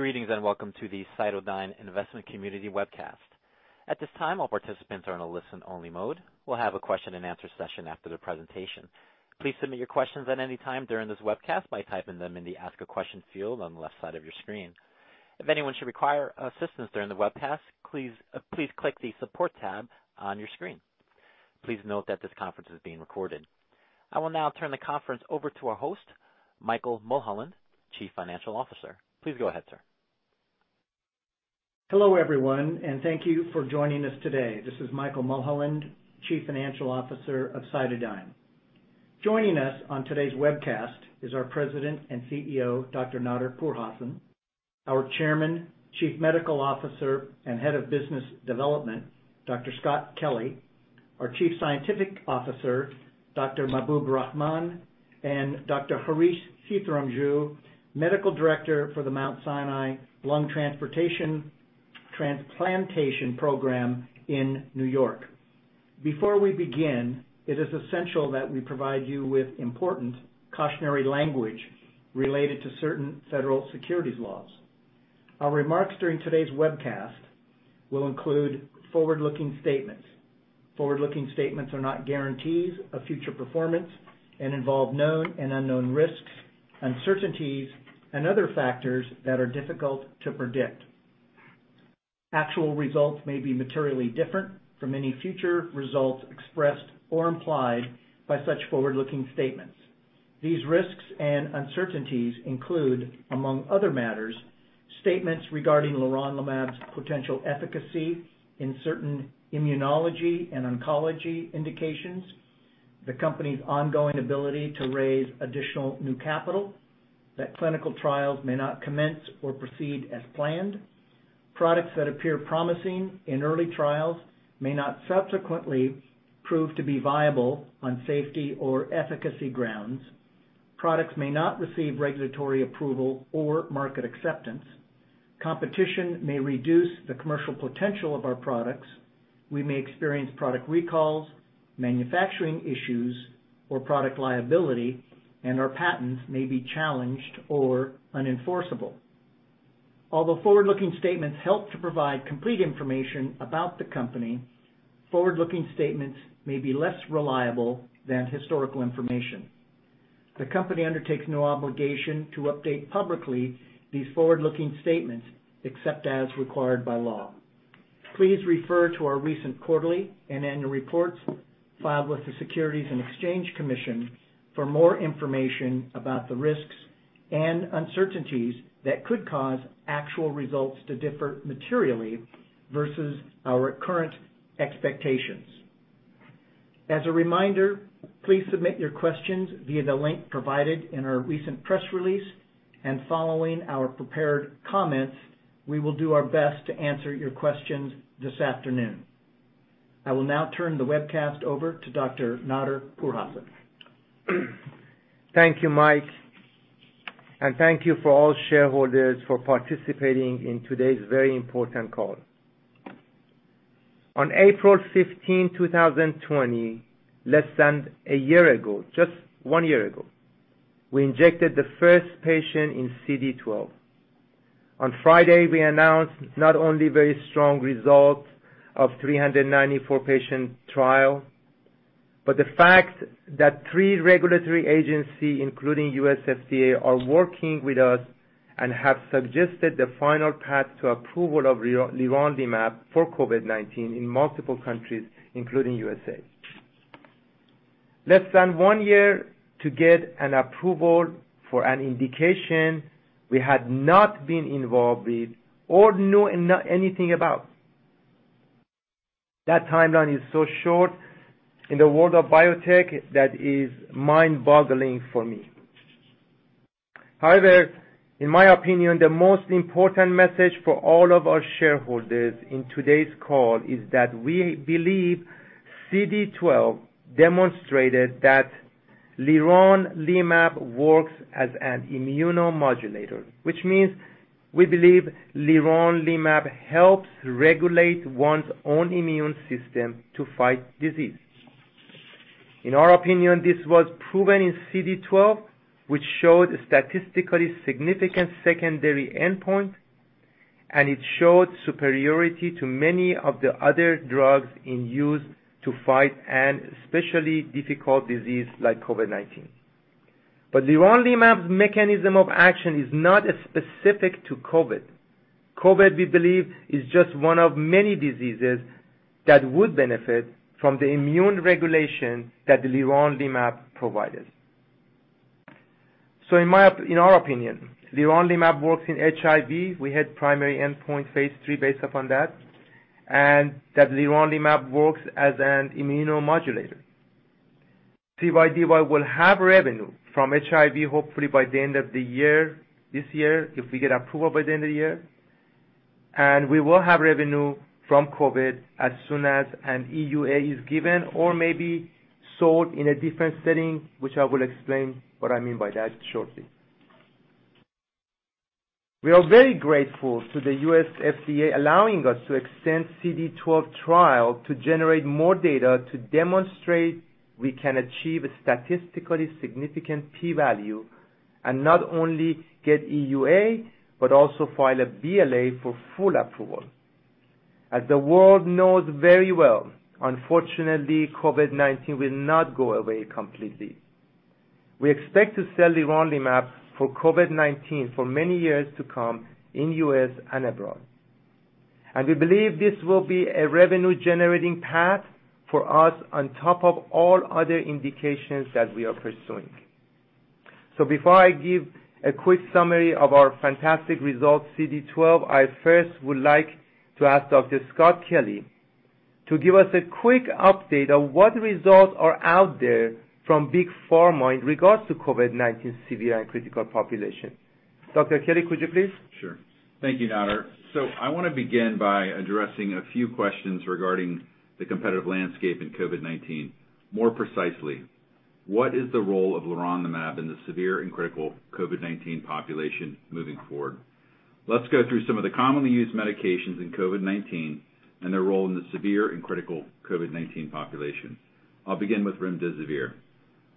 Greetings and welcome to the CytoDyn Investment Community Webcast. At this time, all participants are in a listen-only mode. We'll have a question and answer session after the presentation. Please submit your questions at any time during this webcast by typing them in the Ask a Question field on the left side of your screen. If anyone should require assistance during the webcast, please click the support tab on your screen. Please note that this conference is being recorded. I will now turn the conference over to our host, Michael Mulholland, Chief Financial Officer. Please go ahead, sir. Hello, everyone, and thank you for joining us today. This is Michael Mulholland, Chief Financial Officer of CytoDyn. Joining us on today's webcast is our President and CEO, Dr. Nader Pourhassan, our Chairman, Chief Medical Officer, and Head of Business Development, Dr. Scott Kelly, our Chief Scientific Officer, Dr. Mahboob Rahman, and Dr. Harish Seethamraju, Medical Director for the Mount Sinai Lung Transplantation Program in New York. Before we begin, it is essential that we provide you with important cautionary language related to certain federal securities laws. Our remarks during today's webcast will include forward-looking statements. Forward-looking statements are not guarantees of future performance and involve known and unknown risks, uncertainties, and other factors that are difficult to predict. Actual results may be materially different from any future results expressed or implied by such forward-looking statements. These risks and uncertainties include, among other matters, statements regarding liraglutide's potential efficacy in certain immunology and oncology indications, the company's ongoing ability to raise additional new capital, that clinical trials may not commence or proceed as planned, products that appear promising in early trials may not subsequently prove to be viable on safety or efficacy grounds, products may not receive regulatory approval or market acceptance, competition may reduce the commercial potential of our products, we may experience product recalls, manufacturing issues, or product liability, our patents may be challenged or unenforceable. Although forward-looking statements help to provide complete information about the company, forward-looking statements may be less reliable than historical information. The company undertakes no obligation to update publicly these forward-looking statements, except as required by law. Please refer to our recent quarterly and annual reports filed with the Securities and Exchange Commission for more information about the risks and uncertainties that could cause actual results to differ materially versus our current expectations. As a reminder, please submit your questions via the link provided in our recent press release, and following our prepared comments, we will do our best to answer your questions this afternoon. I will now turn the webcast over to Dr. Nader Pourhassan. Thank you, Mike. Thank you for all shareholders for participating in today's very important call. On April 15, 2020, less than one year ago, just one year ago, we injected the first patient in CD12. On Friday, we announced not only very strong results of 394-patient trial, but the fact that three regulatory agency, including U.S. FDA, are working with us and have suggested the final path to approval of leronlimab for COVID-19 in multiple countries, including U.S.A. Less than one year to get an approval for an indication we had not been involved with or knew anything about. That timeline is so short in the world of biotech, that is mind-boggling for me. However, in my opinion, the most important message for all of our shareholders in today's call is that we believe CD12 demonstrated that leronlimab works as an immunomodulator. Which means we believe leronlimab helps regulate one's own immune system to fight disease. In our opinion, this was proven in CD12, which showed a statistically significant secondary endpoint. It showed superiority to many of the other drugs in use to fight an especially difficult disease like COVID-19. Leronlimab's mechanism of action is not specific to COVID. COVID, we believe, is just one of many diseases that would benefit from the immune regulation that the leronlimab provided. In our opinion, leronlimab works in HIV. We had primary endpoint phase III based upon that. That leronlimab works as an immunomodulator. CYDY will have revenue from HIV, hopefully by the end of the year, this year, if we get approval by the end of the year. We will have revenue from COVID as soon as an EUA is given or may be sold in a different setting, which I will explain what I mean by that shortly. We are very grateful to the U.S. FDA allowing us to extend CD12 trial to generate more data to demonstrate. We can achieve a statistically significant P value and not only get EUA, but also file a BLA for full approval. As the world knows very well, unfortunately, COVID-19 will not go away completely. We expect to sell leronlimab for COVID-19 for many years to come in U.S. and abroad. We believe this will be a revenue-generating path for us on top of all other indications that we are pursuing. Before I give a quick summary of our fantastic results CD12, I first would like to ask Dr. Scott Kelly to give us a quick update on what results are out there from big pharma in regards to COVID-19 severe and critical population. Dr. Kelly, could you please? Sure. Thank you, Nader. I want to begin by addressing a few questions regarding the competitive landscape in COVID-19. More precisely, what is the role of leronlimab in the severe and critical COVID-19 population moving forward? Let's go through some of the commonly used medications in COVID-19 and their role in the severe and critical COVID-19 population. I'll begin with remdesivir.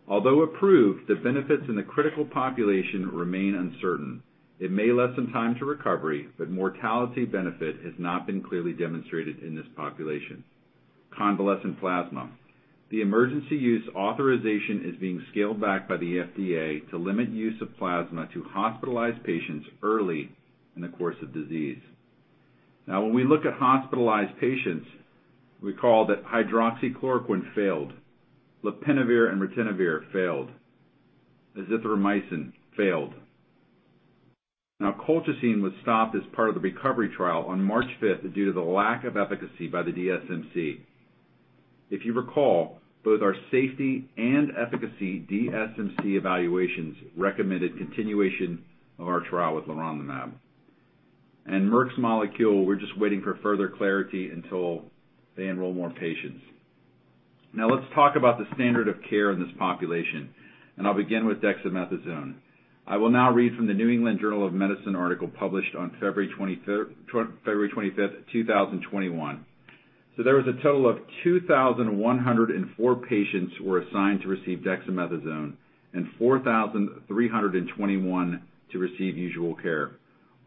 Although approved, the benefits in the critical population remain uncertain. It may lessen time to recovery, but mortality benefit has not been clearly demonstrated in this population. Convalescent plasma. The emergency use authorization is being scaled back by the FDA to limit use of plasma to hospitalized patients early in the course of disease. When we look at hospitalized patients, we recall that hydroxychloroquine failed, lopinavir and ritonavir failed, azithromycin failed. Colchicine was stopped as part of the recovery trial on March 5th due to the lack of efficacy by the DSMC. If you recall, both our safety and efficacy DSMC evaluations recommended continuation of our trial with leronlimab. Merck's molecule, we're just waiting for further clarity until they enroll more patients. Let's talk about the standard of care in this population, and I'll begin with dexamethasone. I will now read from The New England Journal of Medicine article published on February 25, 2021. There was a total of 2,104 patients who were assigned to receive dexamethasone and 4,321 to receive usual care.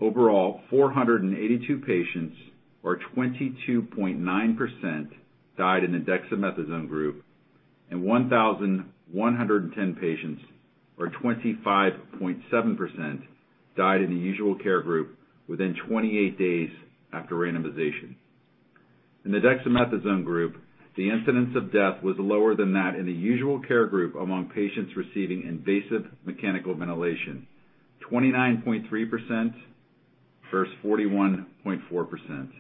Overall, 482 patients or 22.9% died in the dexamethasone group, and 1,110 patients or 25.7% died in the usual care group within 28 days after randomization. In the dexamethasone group, the incidence of death was lower than that in the usual care group among patients receiving invasive mechanical ventilation, 29.3% versus 41.4%.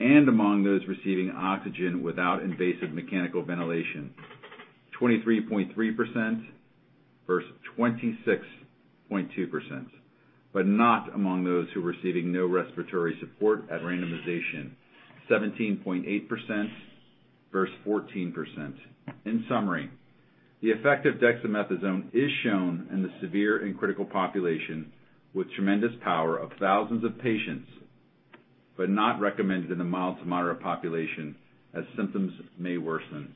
Among those receiving oxygen without invasive mechanical ventilation, 23.3% versus 26.2%. Not among those who were receiving no respiratory support at randomization, 17.8% versus 14%. In summary, the effect of dexamethasone is shown in the severe and critical population with tremendous power of thousands of patients, but not recommended in a mild to moderate population as symptoms may worsen.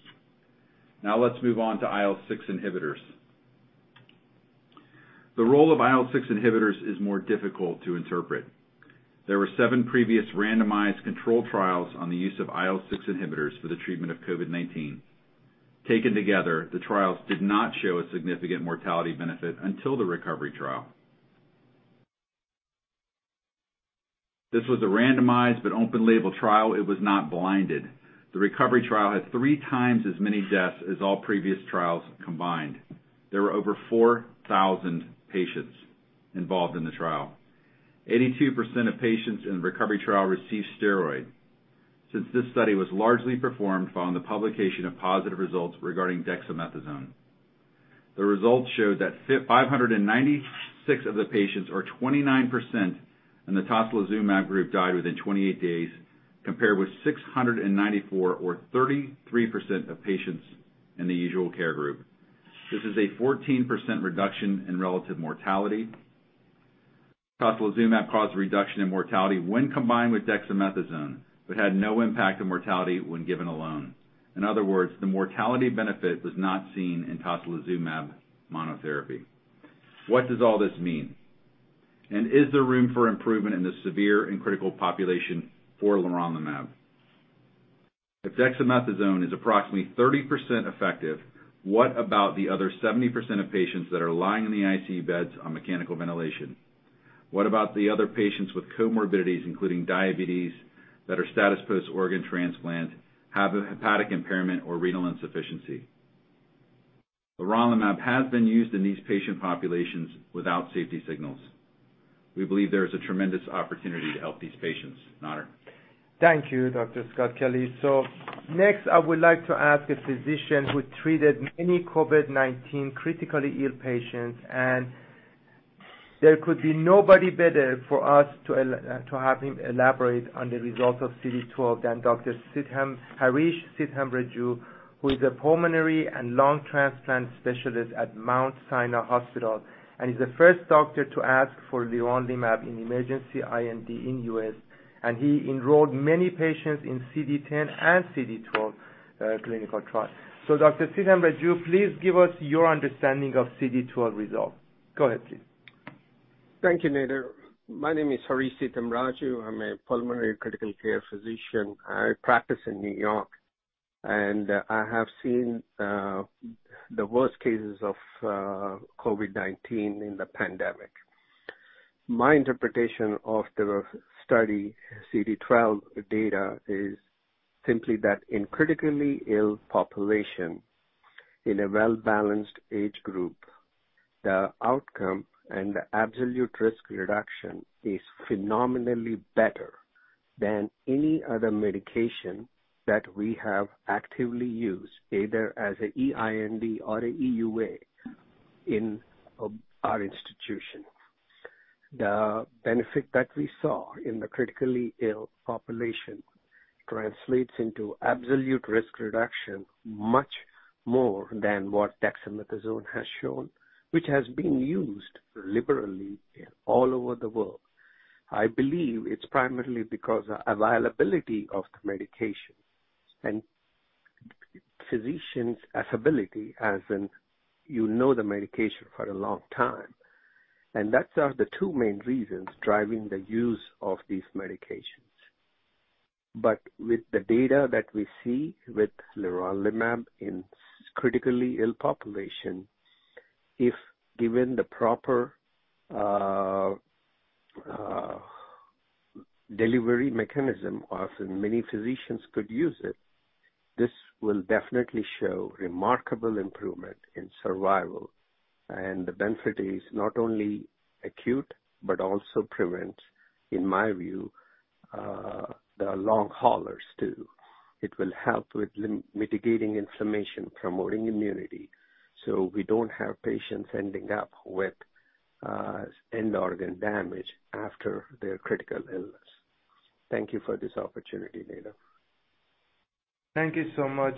Let's move on to IL-6 inhibitors. The role of IL-6 inhibitors is more difficult to interpret. There were seven previous randomized control trials on the use of IL-6 inhibitors for the treatment of COVID-19. Taken together, the trials did not show a significant mortality benefit until the recovery trial. This was a randomized but open-label trial. It was not blinded. The recovery trial had three times as many deaths as all previous trials combined. There were over 4,000 patients involved in the trial. 82% of patients in the recovery trial received steroid. This study was largely performed following the publication of positive results regarding dexamethasone. The results showed that 596 of the patients or 29% in the tocilizumab group died within 28 days, compared with 694 or 33% of patients in the usual care group. This is a 14% reduction in relative mortality. tocilizumab caused a reduction in mortality when combined with dexamethasone but had no impact on mortality when given alone. In other words, the mortality benefit was not seen in tocilizumab monotherapy. What does all this mean? Is there room for improvement in the severe and critical population for leronlimab? If dexamethasone is approximately 30% effective, what about the other 70% of patients that are lying in the ICU beds on mechanical ventilation? What about the other patients with comorbidities, including diabetes, that are status post organ transplant, have a hepatic impairment or renal insufficiency? leronlimab has been used in these patient populations without safety signals. We believe there is a tremendous opportunity to help these patients. Nader? Thank you, Dr. Scott Kelly. Next, I would like to ask a physician who treated many COVID-19 critically ill patients, and there could be nobody better for us to have him elaborate on the results of CD12 than Dr. Harish Seethamraju, who is a pulmonary and lung transplant specialist at Mount Sinai Hospital and is the first doctor to ask for leronlimab in emergency IND in U.S., and he enrolled many patients in CD10 and CD12 clinical trial. Dr. Seethamraju, please give us your understanding of CD12 results. Go ahead, please. Thank you, Nader. My name is Harish Seethamraju. I'm a pulmonary critical care physician. I practice in New York, and I have seen the worst cases of COVID-19 in the pandemic. My interpretation of the study CD12 data is simply that in critically ill population, in a well-balanced age group, the outcome and the absolute risk reduction is phenomenally better than any other medication that we have actively used, either as an EIND or an EUA in our institution. The benefit that we saw in the critically ill population translates into absolute risk reduction much more than what dexamethasone has shown, which has been used liberally all over the world. I believe it's primarily because of availability of the medication and physicians' affability, as in, you know the medication for a long time. That are the two main reasons driving the use of these medications. With the data that we see with leronlimab in critically ill population, if given the proper delivery mechanism, as in many physicians could use it, this will definitely show remarkable improvement in survival. The benefit is not only acute, but also prevents, in my view, the long haulers too. It will help with mitigating inflammation, promoting immunity, so we don't have patients ending up with end-organ damage after their critical illness. Thank you for this opportunity, Nader. Thank you so much,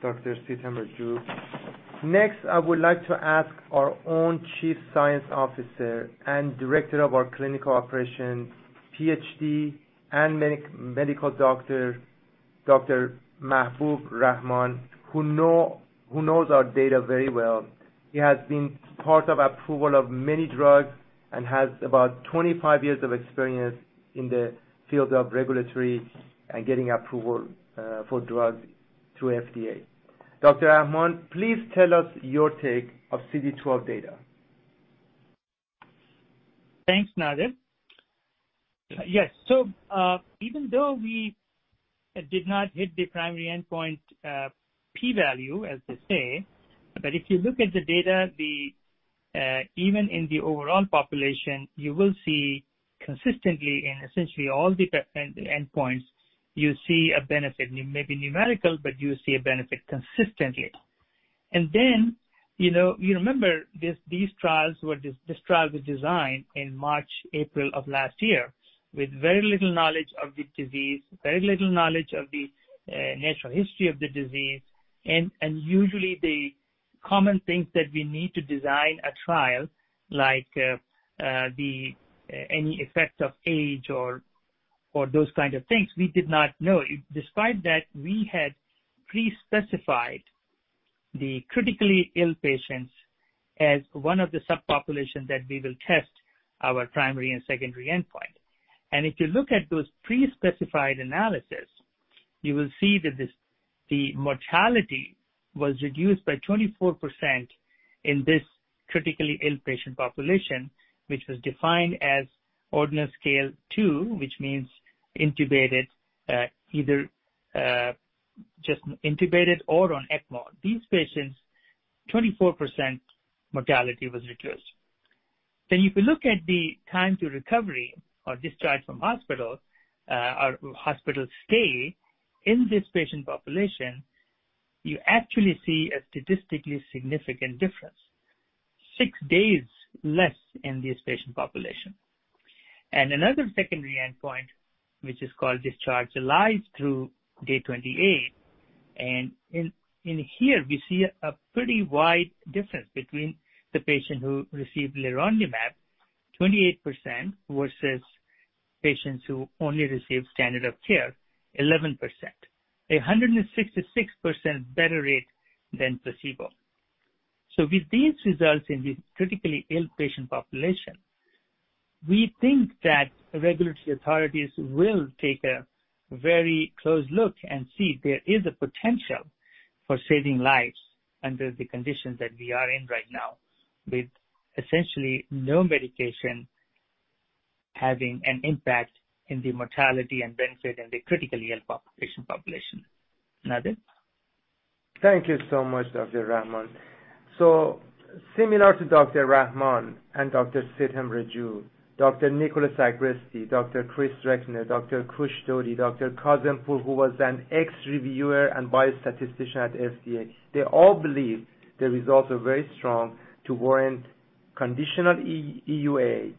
Dr. Seethamraju. Next, I would like to ask our own Chief Scientific Officer and director of our clinical operations, PhD and medical doctor, Dr. Mahboob Rahman, who knows our data very well. He has been part of approval of many drugs and has about 25 years of experience in the field of regulatory and getting approval for drugs through FDA. Dr. Rahman, please tell us your take of CD12 data. Thanks, Nader. Yes, even though we did not hit the primary endpoint p-value, as they say, if you look at the data, even in the overall population, you will see consistently in essentially all the endpoints, you see a benefit. Maybe numerical, you see a benefit consistently. You remember this trial was designed in March, April of last year, with very little knowledge of the disease, very little knowledge of the natural history of the disease. Usually the common things that we need to design a trial, like any effect of age or those kinds of things, we did not know. Despite that, we had pre-specified the critically ill patients as one of the subpopulations that we will test our primary and secondary endpoint. If you look at those pre-specified analyses, you will see that the mortality was reduced by 24% in this critically ill patient population, which was defined as ordinal scale 2, which means either just intubated or on ECMO. These patients, 24% mortality was reduced. You can look at the time to recovery or discharge from hospital, or hospital stay in this patient population, you actually see a statistically significant difference. Six days less in this patient population. Another secondary endpoint, which is called discharge alive through day 28, and in here, we see a pretty wide difference between the patient who received leronlimab, 28%, versus patients who only received standard of care, 11%, 166% better rate than placebo. With these results in the critically ill patient population, we think that regulatory authorities will take a very close look and see there is a potential for saving lives under the conditions that we are in right now, with essentially no medication having an impact in the mortality and benefit in the critically ill patient population. Nader? Thank you so much, Dr. Rahman. Similar to Dr. Rahman and Dr. Seethamraju, Dr. Nicholas Agresti, Dr. Chris Recknor, Dr. Kush Dhody, Dr. Kazempour, who was an ex-reviewer and biostatistician at FDA, they all believe the results are very strong to warrant conditional EUA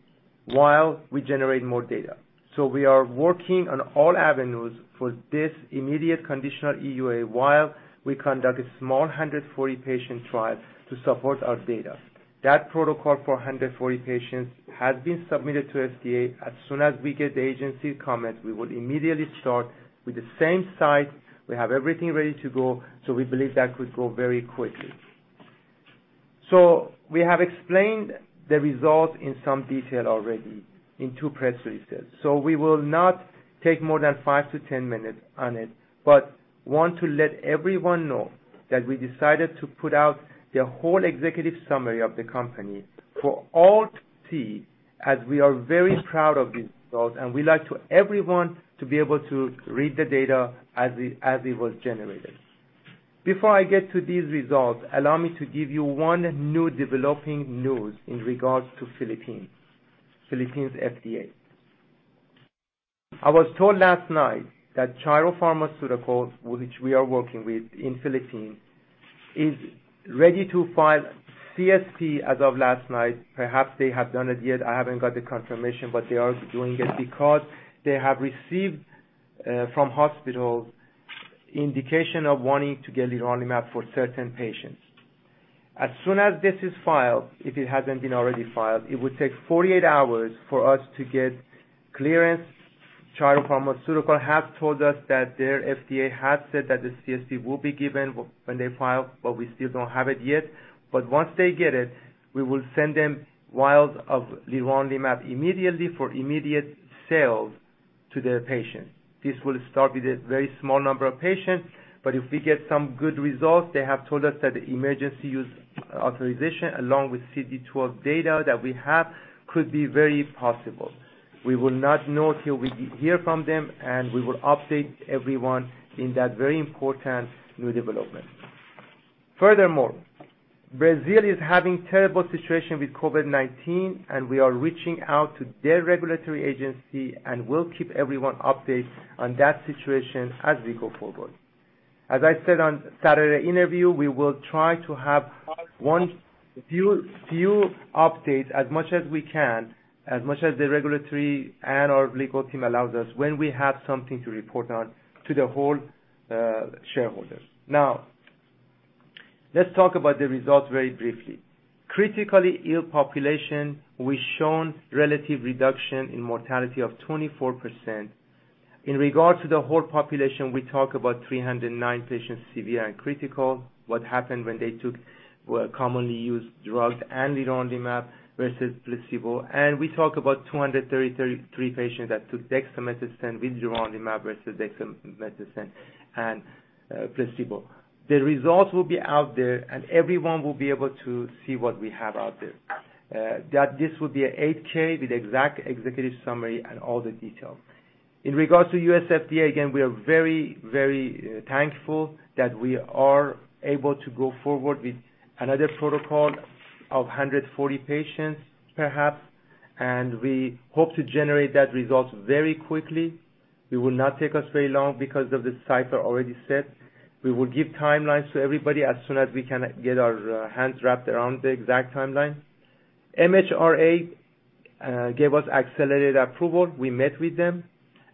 while we generate more data. We are working on all avenues for this immediate conditional EUA while we conduct a small 140-patient trial to support our data. That protocol for 140 patients has been submitted to FDA. As soon as we get the agency comments, we will immediately start with the same site. We have everything ready to go, we believe that could go very quickly. We have explained the results in some detail already in two press releases. We will not take more than five to 10 minutes on it, but want to let everyone know that we decided to put out the whole executive summary of the company for all to see, as we are very proud of these results, and we like everyone to be able to read the data as it was generated. Before I get to these results, allow me to give you one new developing news in regards to Philippines FDA. I was told last night that Chiral Pharmaceuticals, which we are working with in Philippines, is ready to file CSP as of last night. Perhaps they have done it yet. I haven't got the confirmation, but they are doing it because they have received from hospitals indication of wanting to get leronlimab for certain patients. As soon as this is filed, if it hasn't been already filed, it would take 48 hours for us to get clearance. Chiral Pharma Corporation has told us that their FDA has said that the CSP will be given when they file, we still don't have it yet. Once they get it, we will send them vials of leronlimab immediately for immediate sale to their patients. This will start with a very small number of patients, but if we get some good results, they have told us that the emergency use authorization, along with CD12 data that we have, could be very possible. We will not know till we hear from them, we will update everyone in that very important new development. Furthermore, Brazil is having terrible situation with COVID-19, and we are reaching out to their regulatory agency and will keep everyone updated on that situation as we go forward. As I said on Saturday interview, we will try to have one few updates as much as we can, as much as the regulatory and our legal team allows us when we have something to report on to the whole shareholders. Now, let's talk about the results very briefly. Critically ill population, we've shown relative reduction in mortality of 24%. In regards to the whole population, we talk about 309 patients, severe and critical. What happened when they took commonly used drugs and leronlimab versus placebo. We talk about 233 patients that took dexamethasone with leronlimab versus dexamethasone and placebo. The results will be out there, and everyone will be able to see what we have out there. That this will be an 8-K with the exact executive summary and all the details. In regards to U.S. FDA, again, we are very, very thankful that we are able to go forward with another protocol of 140 patients, perhaps, and we hope to generate that result very quickly. It will not take us very long because of the cipher already set. We will give timelines to everybody as soon as we can get our hands wrapped around the exact timeline. MHRA gave us accelerated approval. We met with them,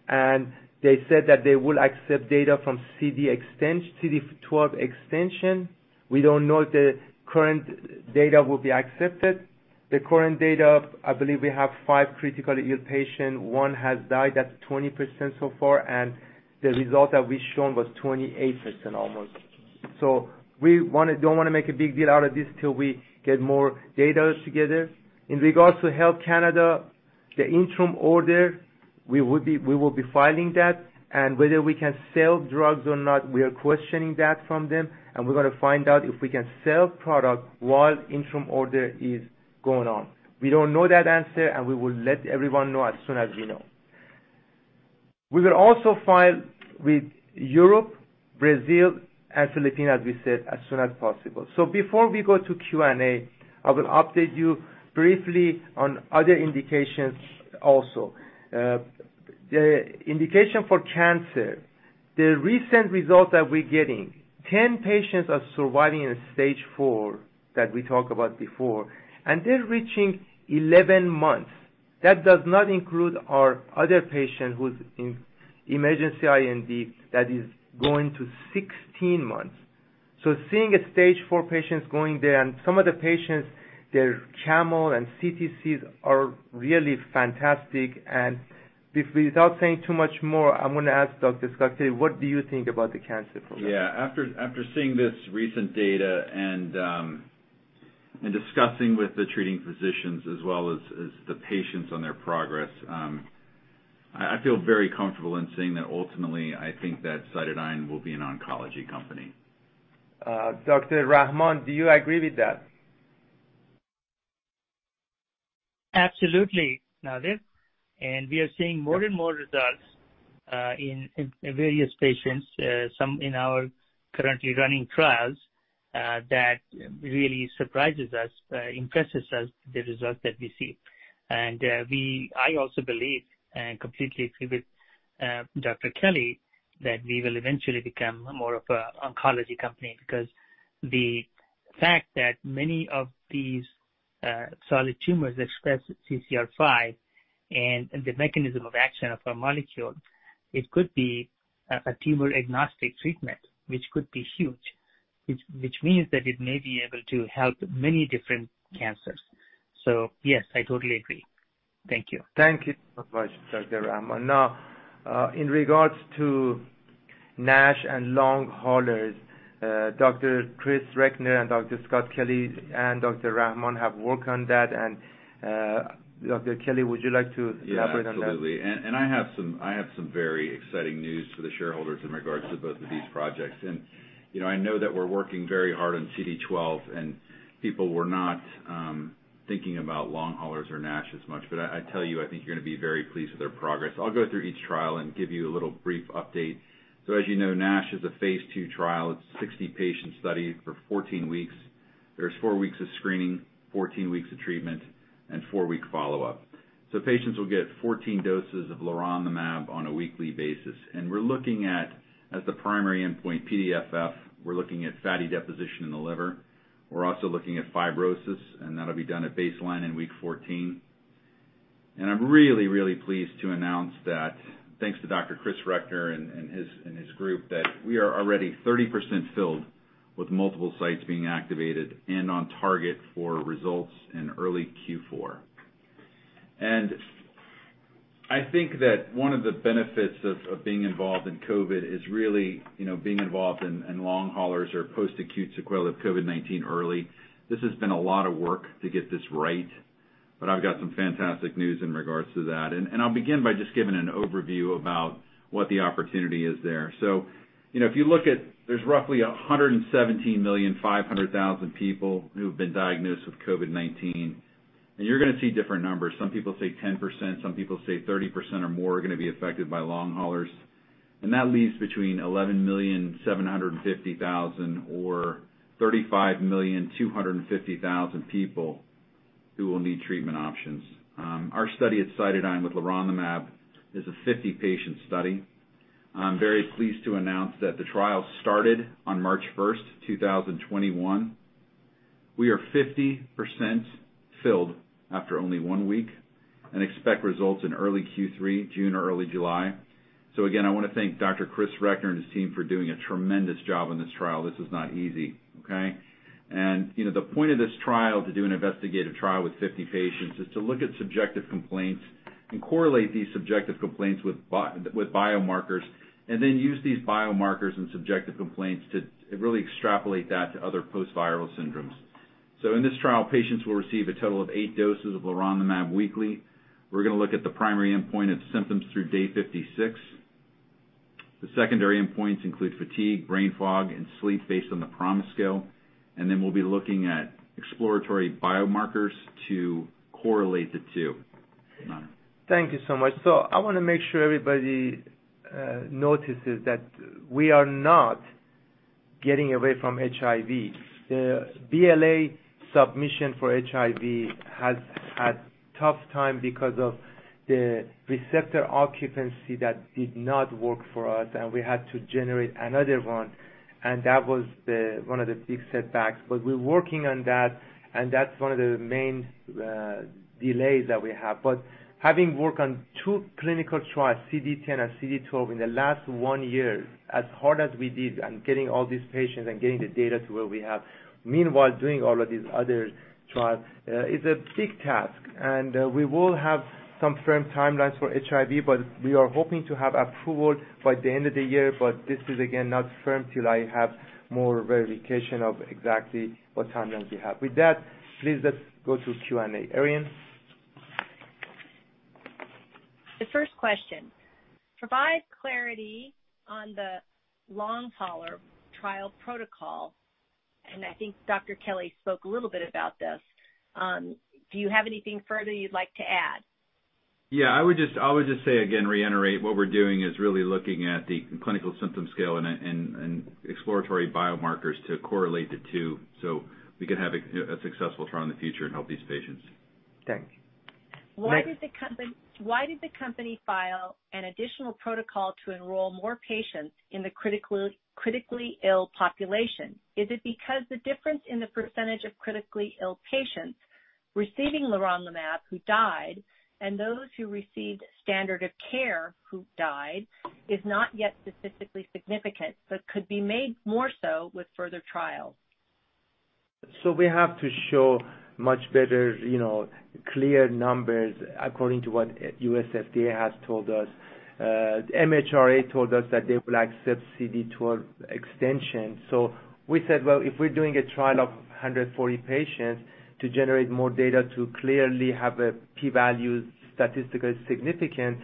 and they said that they will accept data from CD extension, CD12 extension. We don't know if the current data will be accepted. The current data, I believe we have five critically ill patients. One has died. That's 20% so far, and the result that we've shown was 28% almost. We don't want to make a big deal out of this till we get more data together. In regards to Health Canada, the interim order, we will be filing that, and whether we can sell drugs or not, we are questioning that from them, and we're going to find out if we can sell product while interim order is going on. We don't know that answer, and we will let everyone know as soon as we know. We will also file with Europe, Brazil and Philippines, as we said, as soon as possible. Before we go to Q&A, I will update you briefly on other indications also. The indication for cancer, the recent results that we're getting, 10 patients are surviving in stage 4 that we talked about before, and they're reaching 11 months. That does not include our other patient who's in emergency IND that is going to 16 months. Seeing a stage 4 patients going there, and some of the patients, their CAML and CTCs are really fantastic. Without saying too much more, I'm going to ask Dr. Kelly, what do you think about the cancer program? Yeah. After seeing this recent data and discussing with the treating physicians as well as the patients on their progress, I feel very comfortable in saying that ultimately, I think that CytoDyn will be an oncology company. Dr. Rahman, do you agree with that? Absolutely, Nader. We are seeing more and more results in various patients, some in our currently running trials that really surprises us, impresses us, the results that we see. I also believe, and completely agree with Dr. Kelly, that we will eventually become more of an oncology company because the fact that many of these solid tumors express CCR5 and the mechanism of action of our molecule, it could be a tumor-agnostic treatment, which could be huge, which means that it may be able to help many different cancers. Yes, I totally agree. Thank you. Thank you so much, Dr. Rahman. Now, in regards to NASH and long haulers. Dr. Chris Recknor and Dr. Scott Kelly and Dr. Rahman have worked on that. Dr. Kelly, would you like to elaborate on that? I have some very exciting news for the shareholders in regards to both of these projects. I know that we're working very hard on CD12 and people were not thinking about long haulers or NASH as much, but I tell you, I think you're going to be very pleased with our progress. I'll go through each trial and give you a little brief update. As you know, NASH is a phase II trial. It's a 60-patient study for 14 weeks. There's four weeks of screening, 14 weeks of treatment, and four week follow-up. Patients will get 14 doses of leronlimab on a weekly basis. We're looking at, as the primary endpoint, PDFF. We're looking at fatty deposition in the liver. We're also looking at fibrosis, and that'll be done at baseline in week 14. I'm really, really pleased to announce that thanks to Dr. Chris Recknor and his group, that we are already 30% filled with multiple sites being activated and on target for results in early Q4. I think that one of the benefits of being involved in COVID-19 is really being involved in long haulers or post-acute sequelae of COVID-19 early. This has been a lot of work to get this right, but I've got some fantastic news in regards to that. I'll begin by just giving an overview about what the opportunity is there. If you look at, there's roughly 117,500,000 people who've been diagnosed with COVID-19, and you're going to see different numbers. Some people say 10%, some people say 30% or more are going to be affected by long haulers. That leaves between 11,750,000 or 35,250,000 people who will need treatment options. Our study at CytoDyn with leronlimab is a 50-patient study. I'm very pleased to announce that the trial started on March 1st, 2021. We are 50% filled after only one week and expect results in early Q3, June or early July. Again, I want to thank Dr. Chris Recknor and his team for doing a tremendous job on this trial. This is not easy. Okay. The point of this trial, to do an investigative trial with 50 patients, is to look at subjective complaints and correlate these subjective complaints with biomarkers and then use these biomarkers and subjective complaints to really extrapolate that to other post-viral syndromes. In this trial, patients will receive a total of eight doses of leronlimab weekly. We're going to look at the primary endpoint of symptoms through day 56. The secondary endpoints include fatigue, brain fog, and sleep based on the PROMIS scale. We'll be looking at exploratory biomarkers to correlate the two. Thank you so much. I want to make sure everybody notices that we are not getting away from HIV. The BLA submission for HIV has had tough time because of the receptor occupancy that did not work for us, and we had to generate another one, and that was one of the big setbacks. We're working on that, and that's one of the main delays that we have. Having worked on two clinical trials, CD10 and CD12, in the last one year, as hard as we did on getting all these patients and getting the data to where we have, meanwhile doing all of these other trials, is a big task. We will have some firm timelines for HIV, but we are hoping to have approval by the end of the year. This is, again, not firm till I have more verification of exactly what timelines we have. With that, please let's go to Q&A. Arian? The first question: provide clarity on the long hauler trial protocol. I think Dr. Kelly spoke a little bit about this. Do you have anything further you'd like to add? I would just say, again, reiterate what we're doing is really looking at the clinical symptom scale and exploratory biomarkers to correlate the two so we can have a successful trial in the future and help these patients. Thanks. Next. Why did the company file an additional protocol to enroll more patients in the critically ill population? Is it because the difference in the percentage of critically ill patients receiving leronlimab who died and those who received standard of care who died is not yet statistically significant but could be made more so with further trials? We have to show much better, clear numbers according to what U.S. FDA has told us. The MHRA told us that they will accept CD12 extension. We said, well, if we're doing a trial of 140 patients to generate more data to clearly have a P value statistically significant,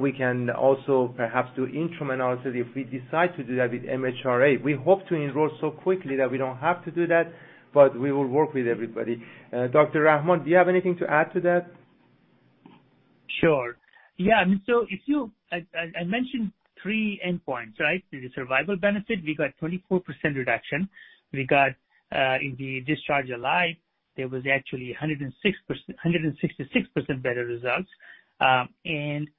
we can also perhaps do interim analysis if we decide to do that with MHRA. We hope to enroll so quickly that we don't have to do that, but we will work with everybody. Dr. Rahman, do you have anything to add to that? Sure. Yeah. I mentioned three endpoints, right? The survival benefit, we got 24% reduction. We got in the discharge alive, there was actually 166% better results. In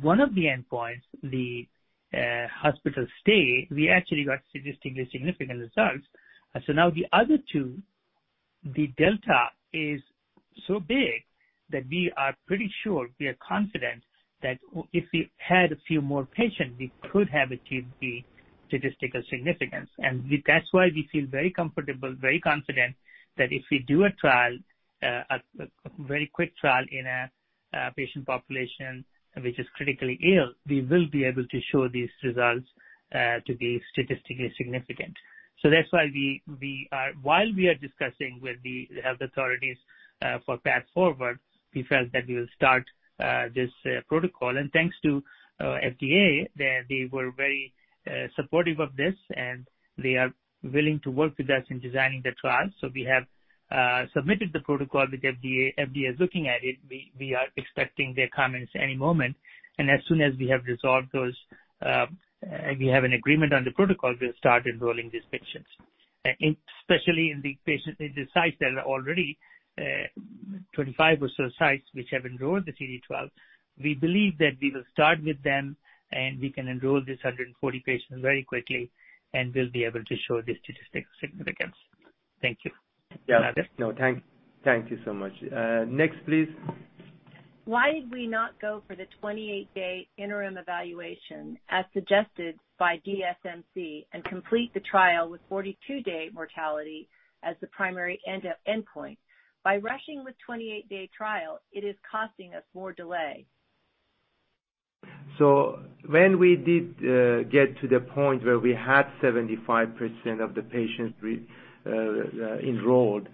one of the endpoints, the hospital stay, we actually got statistically significant results. Now the other two, the delta is so big that we are pretty sure, we are confident that if we had a few more patients, we could have achieved statistical significance. That's why we feel very comfortable, very confident that if we do a trial, a very quick trial in a patient population which is critically ill, we will be able to show these results to be statistically significant. That's why while we are discussing with the health authorities for path forward, we felt that we will start this protocol. Thanks to FDA, they were very supportive of this, and they are willing to work with us in designing the trial. We have submitted the protocol with FDA. FDA is looking at it. We are expecting their comments any moment, and as soon as we have resolved those, and we have an agreement on the protocol, we will start enrolling these patients. Especially in the sites that are already, 25 or so sites which have enrolled the CD-12, we believe that we will start with them, and we can enroll these 140 patients very quickly, and we will be able to show the statistical significance. Thank you. Yeah. Nader? No, thank you so much. Next, please. Why did we not go for the 28-day interim evaluation as suggested by DSMC and complete the trial with 42-day mortality as the primary endpoint? By rushing with 28-day trial, it is costing us more delay. When we did get to the point where we had 75% of the patients enrolled,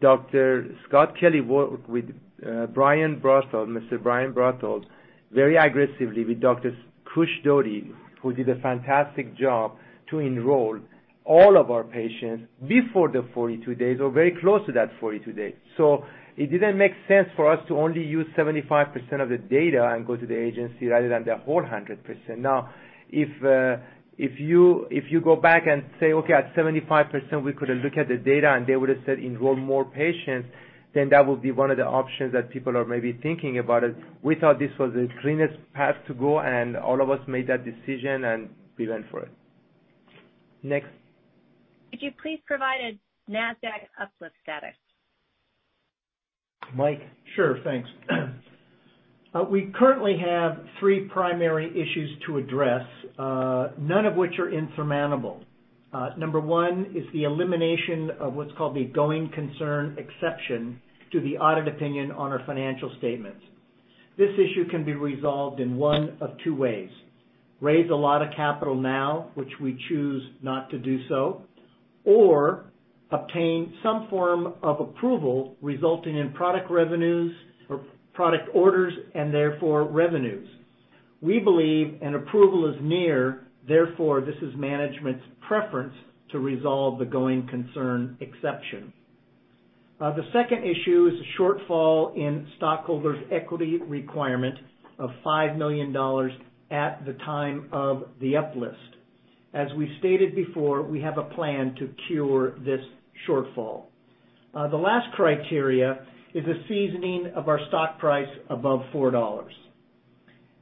Scott Kelly worked with Brian Broughton very aggressively with Kush Dhody, who did a fantastic job to enroll all of our patients before the 42 days or very close to that 42 days. It didn't make sense for us to only use 75% of the data and go to the agency rather than the whole 100%. Now, if you go back and say, "Okay, at 75%, we could have looked at the data," and they would have said, "Enroll more patients," that would be one of the options that people are maybe thinking about it. We thought this was the cleanest path to go, and all of us made that decision, and we went for it. Next. Could you please provide a Nasdaq uplift status? Mike? Sure. Thanks. We currently have three primary issues to address, none of which are insurmountable. Number one is the elimination of what's called the going concern exception to the audit opinion on our financial statements. This issue can be resolved in one of two ways. Raise a lot of capital now, which we choose not to do so, or obtain some form of approval resulting in product revenues or product orders, and therefore revenues. We believe an approval is near, therefore, this is management's preference to resolve the going concern exception. The second issue is a shortfall in stockholders' equity requirement of $5 million at the time of the up-list. As we stated before, we have a plan to cure this shortfall. The last criteria is a seasoning of our stock price above $4.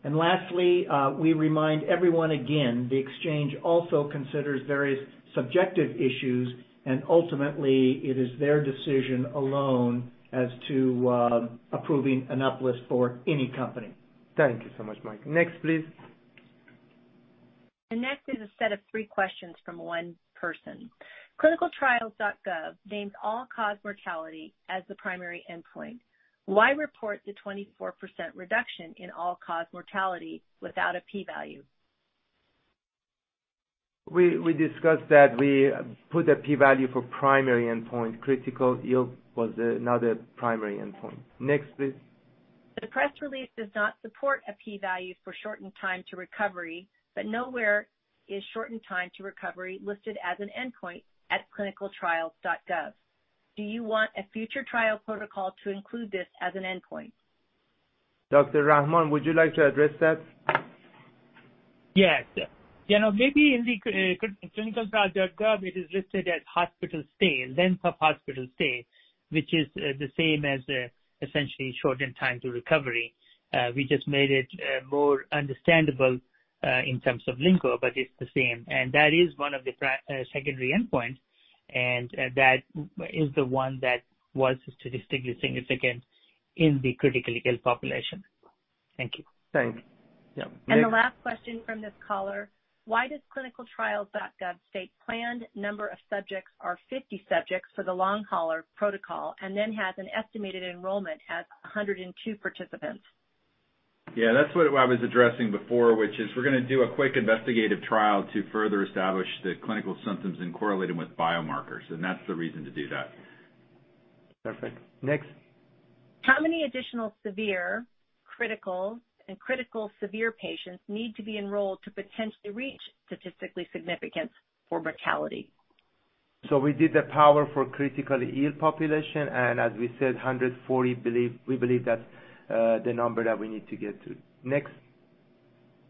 Lastly, we remind everyone again, the exchange also considers various subjective issues, and ultimately, it is their decision alone as to approving an up-list for any company. Thank you so much, Mike. Next, please. The next is a set of three questions from one person. ClinicalTrials.gov names all-cause mortality as the primary endpoint. Why report the 24% reduction in all-cause mortality without a P value? We discussed that we put a P value for primary endpoint. Critical ill was not a primary endpoint. Next, please. The press release does not support a P value for shortened time to recovery, but nowhere is shortened time to recovery listed as an endpoint at clinicaltrials.gov. Do you want a future trial protocol to include this as an endpoint? Dr. Rahman, would you like to address that? Yes. Maybe in the clinicaltrials.gov, it is listed as hospital stay, length of hospital stay, which is the same as essentially shortened time to recovery. We just made it more understandable in terms of lingo, but it's the same. That is one of the secondary endpoints, and that is the one that was statistically significant in the critically ill population. Thank you. Thank you. Yeah. The last question from this caller: Why does clinicaltrials.gov state "planned number of subjects" are 50 subjects for the long hauler protocol and then has an estimated enrollment as 102 participants? Yeah, that's what I was addressing before, which is we're going to do a quick investigative trial to further establish the clinical symptoms and correlate them with biomarkers, and that's the reason to do that. Perfect. Next. How many additional severe, critical, and critical severe patients need to be enrolled to potentially reach statistical significance for mortality? We did the power for critically ill population, and as we said, 140, we believe that's the number that we need to get to. Next.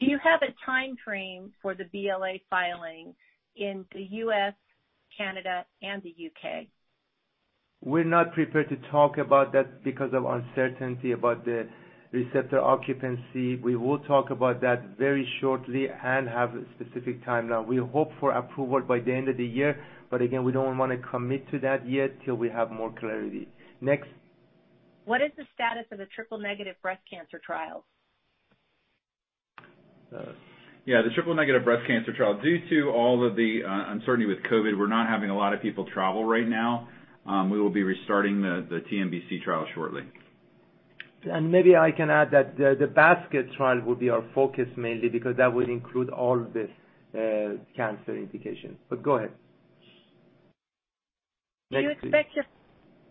Do you have a timeframe for the BLA filing in the U.S., Canada, and the U.K.? We're not prepared to talk about that because of uncertainty about the receptor occupancy. We will talk about that very shortly and have a specific timeline. We hope for approval by the end of the year, but again, we don't want to commit to that yet till we have more clarity. Next. What is the status of the triple-negative breast cancer trial? The triple-negative breast cancer trial. Due to all of the uncertainty with COVID, we're not having a lot of people travel right now. We will be restarting the TNBC trial shortly. Maybe I can add that the basket trial will be our focus mainly because that will include all the cancer indications. Go ahead. Next, please.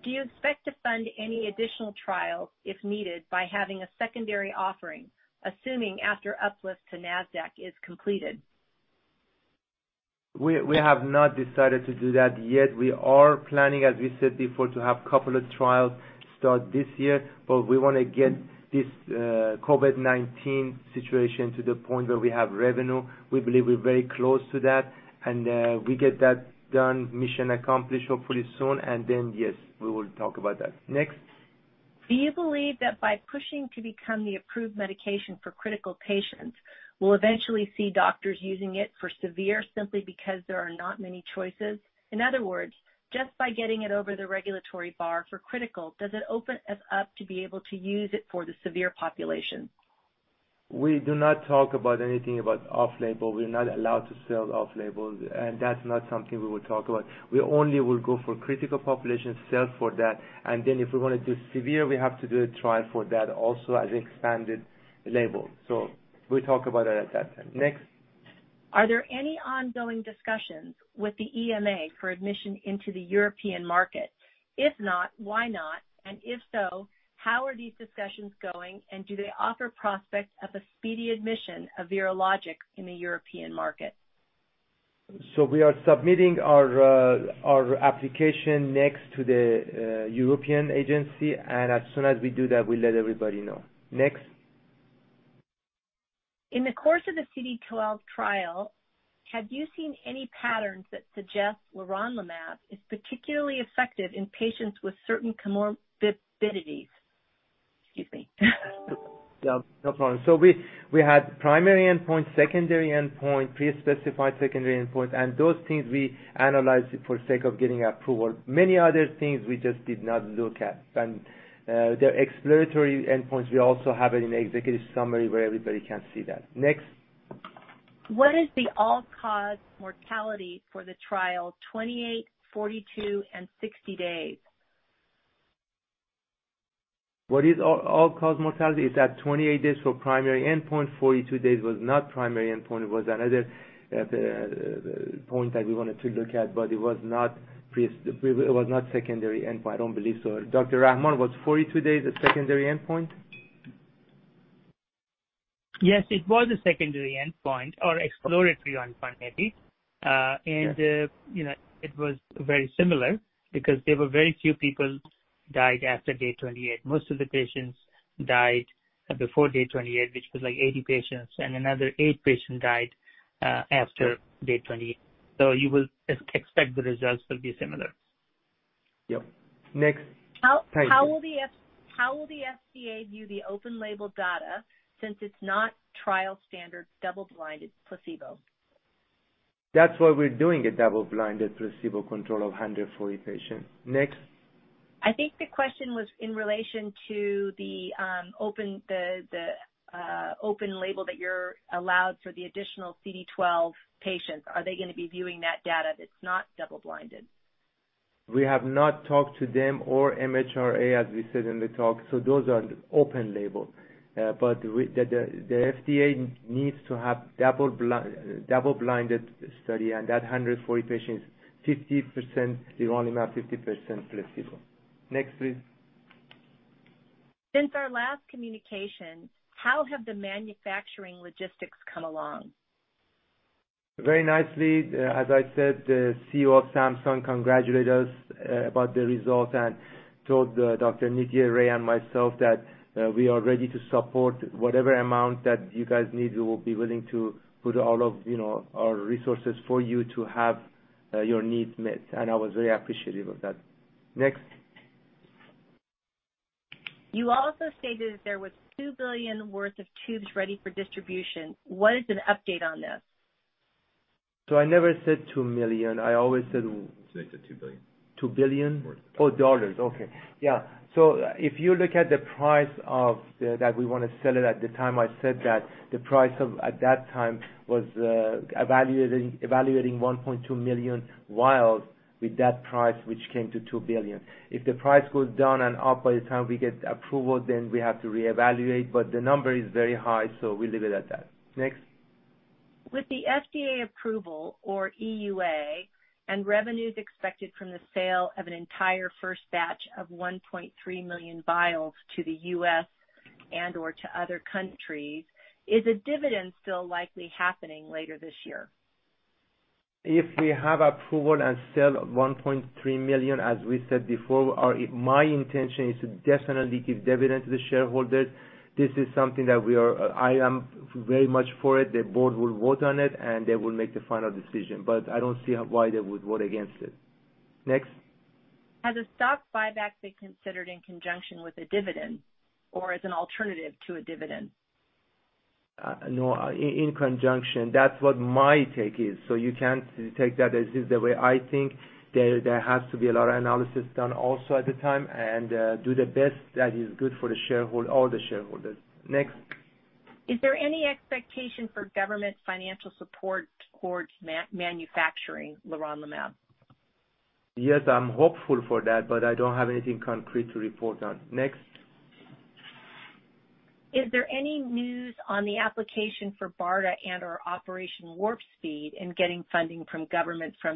Do you expect to fund any additional trials if needed by having a secondary offering, assuming after uplift to Nasdaq is completed? We have not decided to do that yet. We are planning, as we said before, to have couple of trials start this year, but we want to get this COVID-19 situation to the point where we have revenue. We believe we're very close to that, and we get that done, mission accomplished, hopefully soon, and then, yes, we will talk about that. Next. Do you believe that by pushing to become the approved medication for critical patients, we'll eventually see doctors using it for severe simply because there are not many choices? In other words, just by getting it over the regulatory bar for critical, does it open us up to be able to use it for the severe population? We do not talk about anything about off-label. We're not allowed to sell off-label, and that's not something we will talk about. We only will go for critical population, sell for that, and then if we want to do severe, we have to do a trial for that also as expanded label. We'll talk about that at that time. Next. Are there any ongoing discussions with the EMA for admission into the European market? If not, why not? If so, how are these discussions going? Do they offer prospects of a speedy admission of leronlimab in the European market? We are submitting our application next to the European agency, and as soon as we do that, we'll let everybody know. Next. In the course of the CD12 trial, have you seen any patterns that suggest leronlimab is particularly effective in patients with certain comorbidities? Excuse me. Yeah, no problem. We had primary endpoint, secondary endpoint, pre-specified secondary endpoint, and those things we analyzed for sake of getting approval. Many other things we just did not look at. The exploratory endpoints, we also have it in the executive summary where everybody can see that. Next. What is the all-cause mortality for the trial 28, 42, and 60 days? What is all-cause mortality? It's at 28 days for primary endpoint, 42 days was not primary endpoint. It was another point that we wanted to look at, but it was not secondary endpoint, I don't believe so. Dr. Rahman, was 42 days a secondary endpoint? Yes, it was a secondary endpoint or exploratory endpoint, maybe. Yeah. It was very similar because there were very few people died after day 28. Most of the patients died before day 28, which was like 80 patients, and another eight patient died after day 28. You will expect the results will be similar. Yep. Next. How will the FDA view the open label data since it's not trial standard double-blinded placebo? That's why we're doing a double-blinded placebo control of 140 patients. Next. I think the question was in relation to the open label that you're allowed for the additional CD12 patients. Are they going to be viewing that data that's not double-blinded? We have not talked to them or MHRA, as we said in the talk, so those are open label. The FDA needs to have double-blinded study, and that 140 patients, 50% leronlimab, 50% placebo. Next, please. Since our last communication, how have the manufacturing logistics come along? Very nicely. As I said, the CEO of Samsung Biologics congratulate us about the result and told Dr. Nitya Ray and myself that we are ready to support whatever amount that you guys need. We will be willing to put all of our resources for you to have your needs met. I was very appreciative of that. Next. You also stated that there was $2 billion worth of tubes ready for distribution. What is an update on this? I never said $2 million. Today you said $2 billion. $2 billion? Oh, dollars. Okay. Yeah. If you look at the price of that we want to sell it at the time I said that, the price of at that time was evaluating 1.2 million vials with that price, which came to $2 billion. If the price goes down and up by the time we get approval, then we have to reevaluate, but the number is very high, so we leave it at that. Next. With the FDA approval or EUA and revenues expected from the sale of an entire first batch of 1.3 million vials to the U.S. and/or to other countries, is a dividend still likely happening later this year? If we have approval and sell $1.3 million as we said before, my intention is to definitely give dividend to the shareholders. This is something that I am very much for it. The board will vote on it, and they will make the final decision. I don't see why they would vote against it. Next. Has a stock buyback been considered in conjunction with a dividend or as an alternative to a dividend? In conjunction, that's what my take is. You can take that as is the way I think. There has to be a lot of analysis done also at the time and do the best that is good for all the shareholders. Next. Is there any expectation for government financial support towards manufacturing leronlimab? Yes, I'm hopeful for that, but I don't have anything concrete to report on. Next. Is there any news on the application for BARDA and/or Operation Warp Speed in getting funding from government for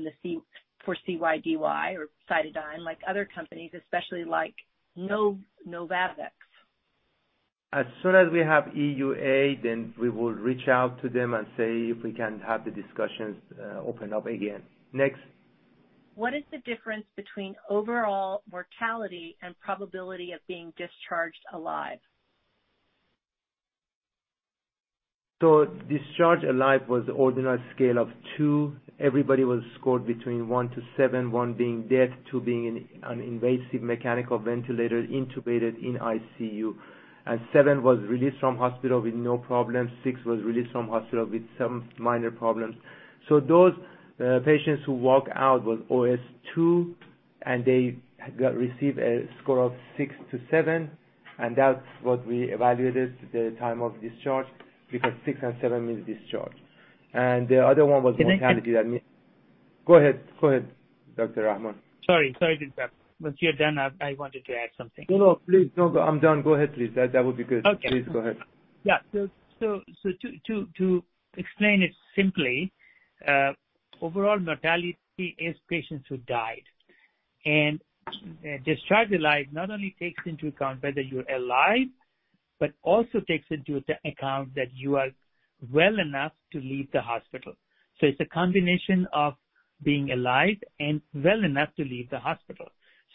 CYDY or CytoDyn, like other companies, especially like Novavax? As soon as we have EUA, we will reach out to them and see if we can have the discussions open up again. Next. What is the difference between overall mortality and probability of being discharged alive? Discharged alive was ordinal scale of two. Everybody was scored between one to seven, one being dead, two being an invasive mechanical ventilator intubated in ICU. Seven was released from hospital with no problems. Six was released from hospital with some minor problems. Those patients who walk out with OS two and they received a score of six to seven, and that's what we evaluated the time of discharge, because six and seven means discharged. The other one was mortality. Can I- Go ahead, Dr. Rahman. Sorry, Dr. Pourhassan. Once you're done, I wanted to add something. No, please. No, I'm done. Go ahead, please. That would be good. Okay. Please go ahead. Yeah. To explain it simply, overall mortality is patients who died. Discharged alive not only takes into account whether you're alive, but also takes into account that you are well enough to leave the hospital. It's a combination of being alive and well enough to leave the hospital.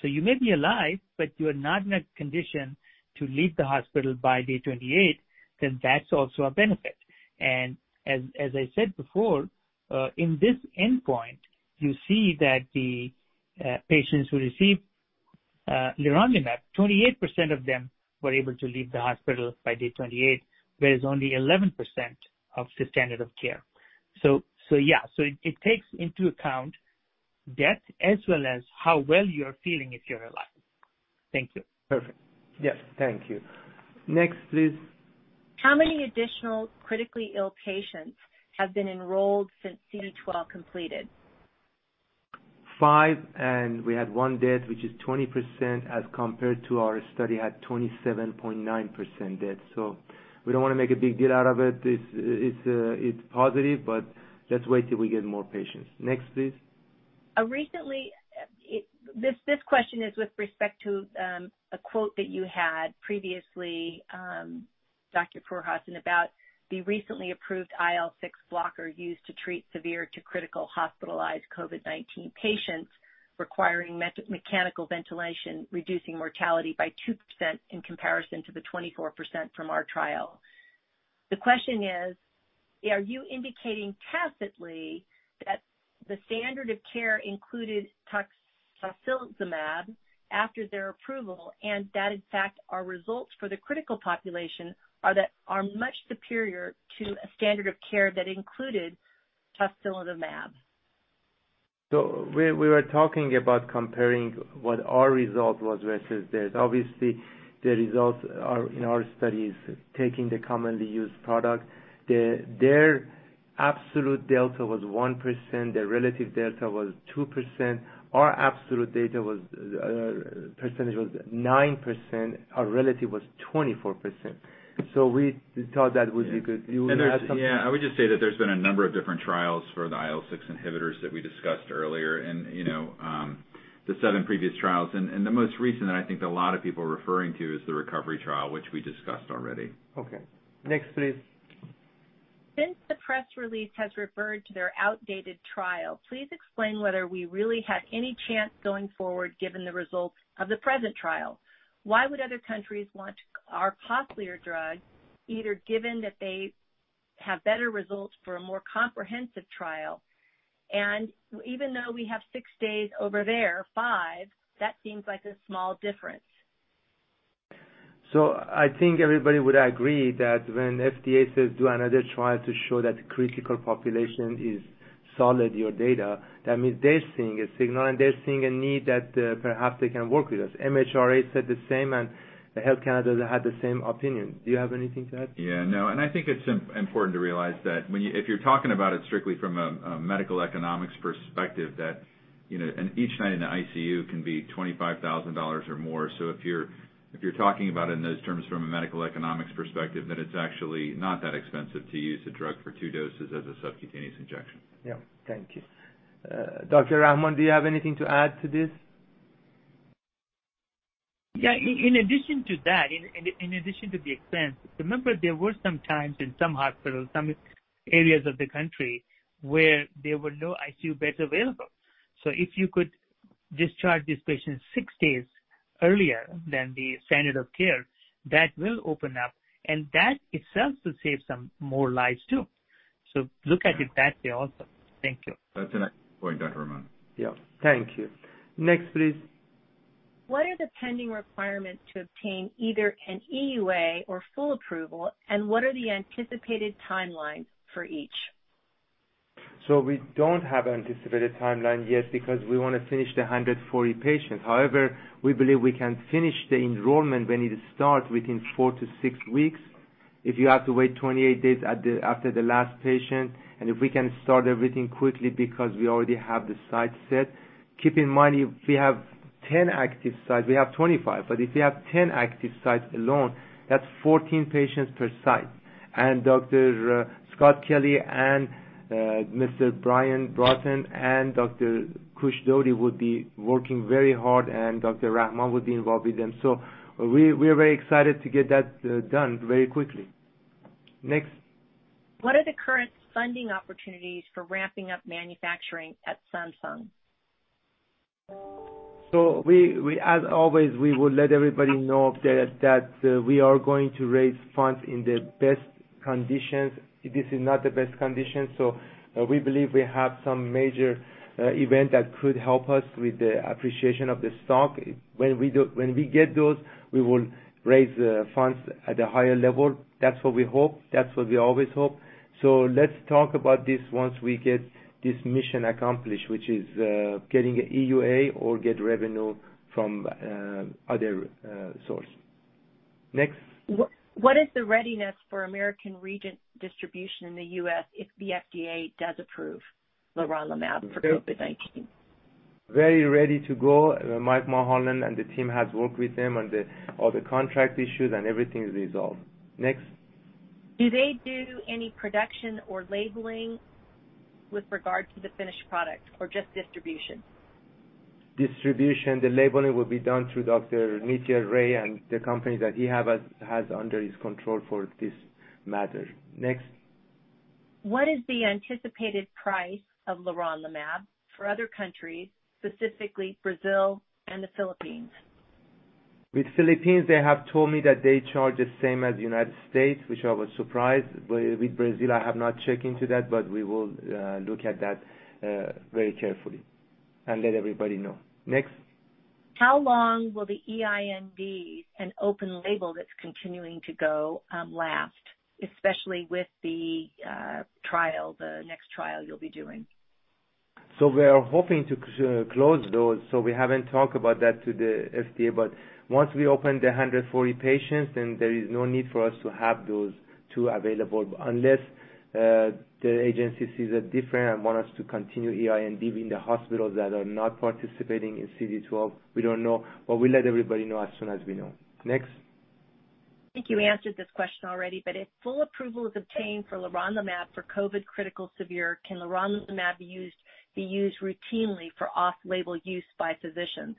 You may be alive, but you are not in a condition to leave the hospital by day 28, then that's also a benefit. As I said before, in this endpoint, you see that the patients who receive leronlimab, 28% of them were able to leave the hospital by day 28, whereas only 11% of the standard of care. Yeah. It takes into account death as well as how well you're feeling if you're alive. Thank you. Perfect. Yes. Thank you. Next, please. How many additional critically ill patients have been enrolled since CD12 completed? Five, and we had one death, which is 20% as compared to our study had 27.9% death. We don't want to make a big deal out of it. It's positive, but let's wait till we get more patients. Next, please. Recently, this question is with respect to a quote that you had previously, Dr. Pourhassan, about the recently approved IL-6 blocker used to treat severe to critical hospitalized COVID-19 patients requiring mechanical ventilation, reducing mortality by 2% in comparison to the 24% from our trial. The question is, are you indicating tacitly that the standard of care included tocilizumab after their approval, and that in fact our results for the critical population are much superior to a standard of care that included tocilizumab? We were talking about comparing what our result was versus theirs. Obviously, the results in our study is taking the commonly used product. Their absolute delta was 1%, their relative delta was 2%. Our absolute percentage was 9%, our relative was 24%. We thought that would be good. Do you want to add something? Yeah, I would just say that there's been a number of different trials for the IL-6 inhibitors that we discussed earlier and the seven previous trials. The most recent that I think that a lot of people are referring to is the Recovery Trial, which we discussed already. Okay. Next, please. Since the press release has referred to their outdated trial, please explain whether we really had any chance going forward given the results of the present trial. Why would other countries want our costlier drug, either given that they have better results for a more comprehensive trial? Even though we have six days over their five, that seems like a small difference. I think everybody would agree that when FDA says do another trial to show that critical population is solid, your data, that means they're seeing a signal, and they're seeing a need that perhaps they can work with us. MHRA said the same, and Health Canada had the same opinion. Do you have anything to add? Yeah, no. I think it's important to realize that if you're talking about it strictly from a medical economics perspective, that each night in the ICU can be $25,000 or more. If you're talking about it in those terms from a medical economics perspective, then it's actually not that expensive to use a drug for two doses as a subcutaneous injection. Yeah. Thank you. Dr. Rahman, do you have anything to add to this? Yeah. In addition to that, in addition to the expense, remember there were some times in some hospitals, some areas of the country where there were no ICU beds available. If you could discharge these patients six days earlier than the standard of care, that will open up and that itself will save some more lives, too. Look at it that way also. Thank you. That's an excellent point, Dr. Rahman. Yeah. Thank you. Next, please. What are the pending requirements to obtain either an EUA or full approval, and what are the anticipated timelines for each? We don't have anticipated timeline yet because we want to finish the 140 patients. However, we believe we can finish the enrollment when it starts within four-six weeks. If you have to wait 28 days after the last patient, and if we can start everything quickly because we already have the site set. Keep in mind, if we have 10 active sites, we have 25, but if we have 10 active sites alone, that's 14 patients per site. Dr. Scott Kelly and Mr. Brian Broughton and Dr. Kush Dhody would be working very hard, and Dr. Mahboob Rahman would be involved with them. We are very excited to get that done very quickly. Next. What are the current funding opportunities for ramping up manufacturing at Samsung? As always, we will let everybody know that we are going to raise funds in the best conditions. This is not the best condition, so we believe we have some major event that could help us with the appreciation of the stock. When we get those, we will raise the funds at a higher level. That's what we hope. That's what we always hope. Let's talk about this once we get this mission accomplished, which is getting EUA or get revenue from other source. Next. What is the readiness for American Regent distribution in the U.S. if the FDA does approve leronlimab for COVID-19? Very ready to go. Mike Mulholland and the team has worked with them on all the contract issues, and everything is resolved. Next. Do they do any production or labeling with regard to the finished product, or just distribution? Distribution. The labeling will be done through Dr. Nitya Ray and the company that he has under his control for this matter. Next. What is the anticipated price of leronlimab for other countries, specifically Brazil and the Philippines? With Philippines, they have told me that they charge the same as U.S., which I was surprised. With Brazil, I have not checked into that, but we will look at that very carefully and let everybody know. Next. How long will the EIND and open label that's continuing to go last, especially with the next trial you'll be doing? We are hoping to close those. We haven't talked about that to the FDA, but once we open the 140 patients, then there is no need for us to have those two available unless the agency sees it different and want us to continue EIND in the hospitals that are not participating in CD12. We don't know, but we'll let everybody know as soon as we know. Next. I think you answered this question already, but if full approval is obtained for leronlimab for COVID-19 critical severe, can leronlimab be used routinely for off-label use by physicians?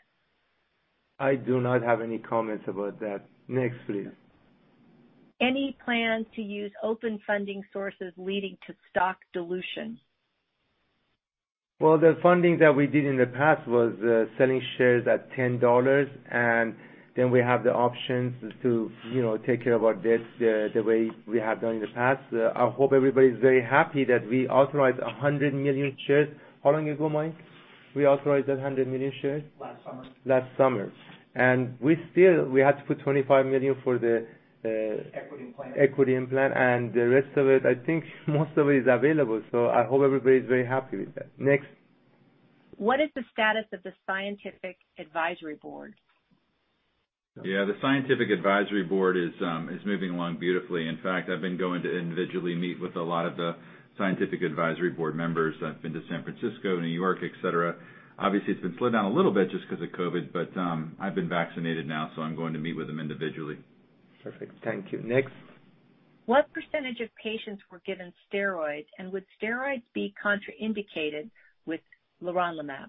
I do not have any comments about that. Next, please. Any plan to use open funding sources leading to stock dilution? Well, the funding that we did in the past was selling shares at $10, and then we have the options to take care of our debts the way we have done in the past. I hope everybody's very happy that we authorized 100 million shares. How long ago, Mike, we authorized that 100 million shares? Last summer. Last summer. We still had to put $25 million. Equity in plan. equity in plan, and the rest of it, I think most of it is available. I hope everybody's very happy with that. Next. What is the status of the scientific advisory board? Yeah. The scientific advisory board is moving along beautifully. In fact, I've been going to individually meet with a lot of the scientific advisory board members. I've been to San Francisco, New York, et cetera. Obviously, it's been slowed down a little bit just because of COVID, but I've been vaccinated now, so I'm going to meet with them individually. Perfect. Thank you. Next. What percentage of patients were given steroids, and would steroids be contraindicated with leronlimab?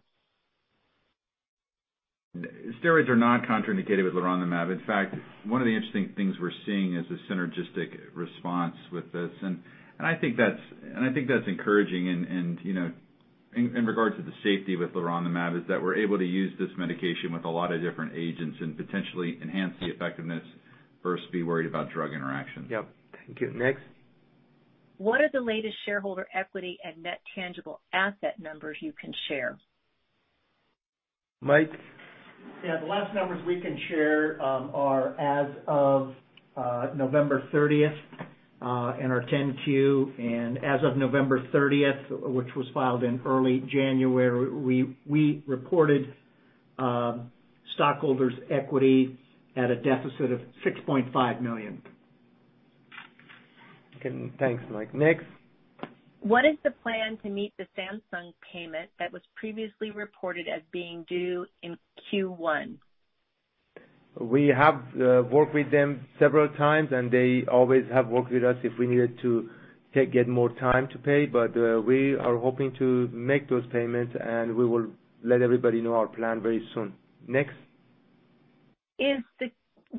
Steroids are not contraindicated with leronlimab. In fact, one of the interesting things we're seeing is a synergistic response with this. I think that's encouraging in regards to the safety with leronlimab, is that we're able to use this medication with a lot of different agents and potentially enhance the effectiveness versus be worried about drug interactions. Yep. Thank you. Next. What are the latest shareholder equity and net tangible asset numbers you can share? Mike? Yeah. The last numbers we can share are as of November 30th in our 10-Q. As of November 30th, which was filed in early January, we reported stockholders' equity at a deficit of $6.5 million. Okay. Thanks, Mike. Next. What is the plan to meet the Samsung payment that was previously reported as being due in Q1? We have worked with them several times. They always have worked with us if we needed to get more time to pay. We are hoping to make those payments. We will let everybody know our plan very soon. Next. Is the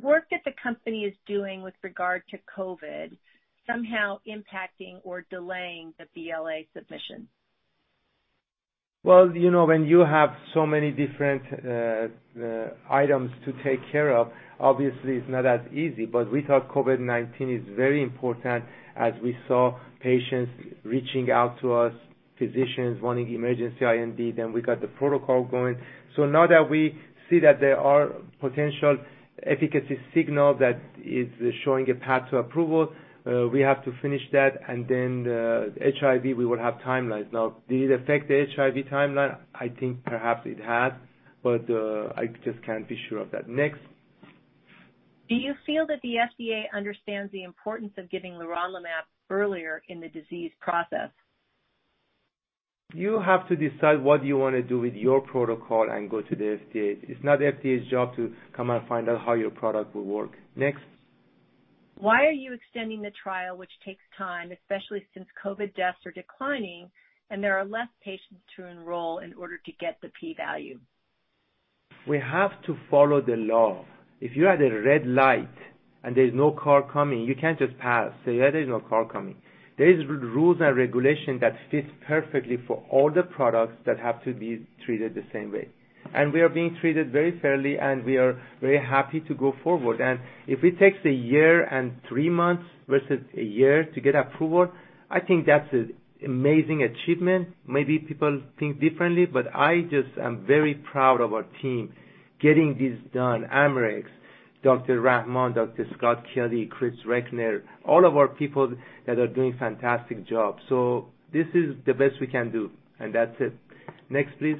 work that the company is doing with regard to COVID somehow impacting or delaying the BLA submission? Well, when you have so many different items to take care of, obviously it's not as easy, but we thought COVID-19 is very important as we saw patients reaching out to us, physicians wanting emergency IND. Then we got the protocol going. Now that we see that there are potential efficacy signal that is showing a path to approval, we have to finish that, and then the HIV, we will have timelines. Now, did it affect the HIV timeline? I think perhaps it has, but I just can't be sure of that. Next. Do you feel that the FDA understands the importance of giving leronlimab earlier in the disease process? You have to decide what you want to do with your protocol and go to the FDA. It's not FDA's job to come and find out how your product will work. Next. Why are you extending the trial, which takes time, especially since COVID deaths are declining and there are less patients to enroll in order to get the P value? We have to follow the law. If you're at a red light and there's no car coming, you can't just pass. Say, "Yeah, there's no car coming." There is rules and regulation that fits perfectly for all the products that have to be treated the same way. We are being treated very fairly, and we are very happy to go forward. If it takes a year and three months versus a year to get approval, I think that's an amazing achievement. Maybe people think differently, but I just am very proud of our team getting this done. Amarex, Dr. Rahman, Dr. Scott Kelly, Chris Recknor, all of our people that are doing fantastic job. This is the best we can do, and that's it. Next, please.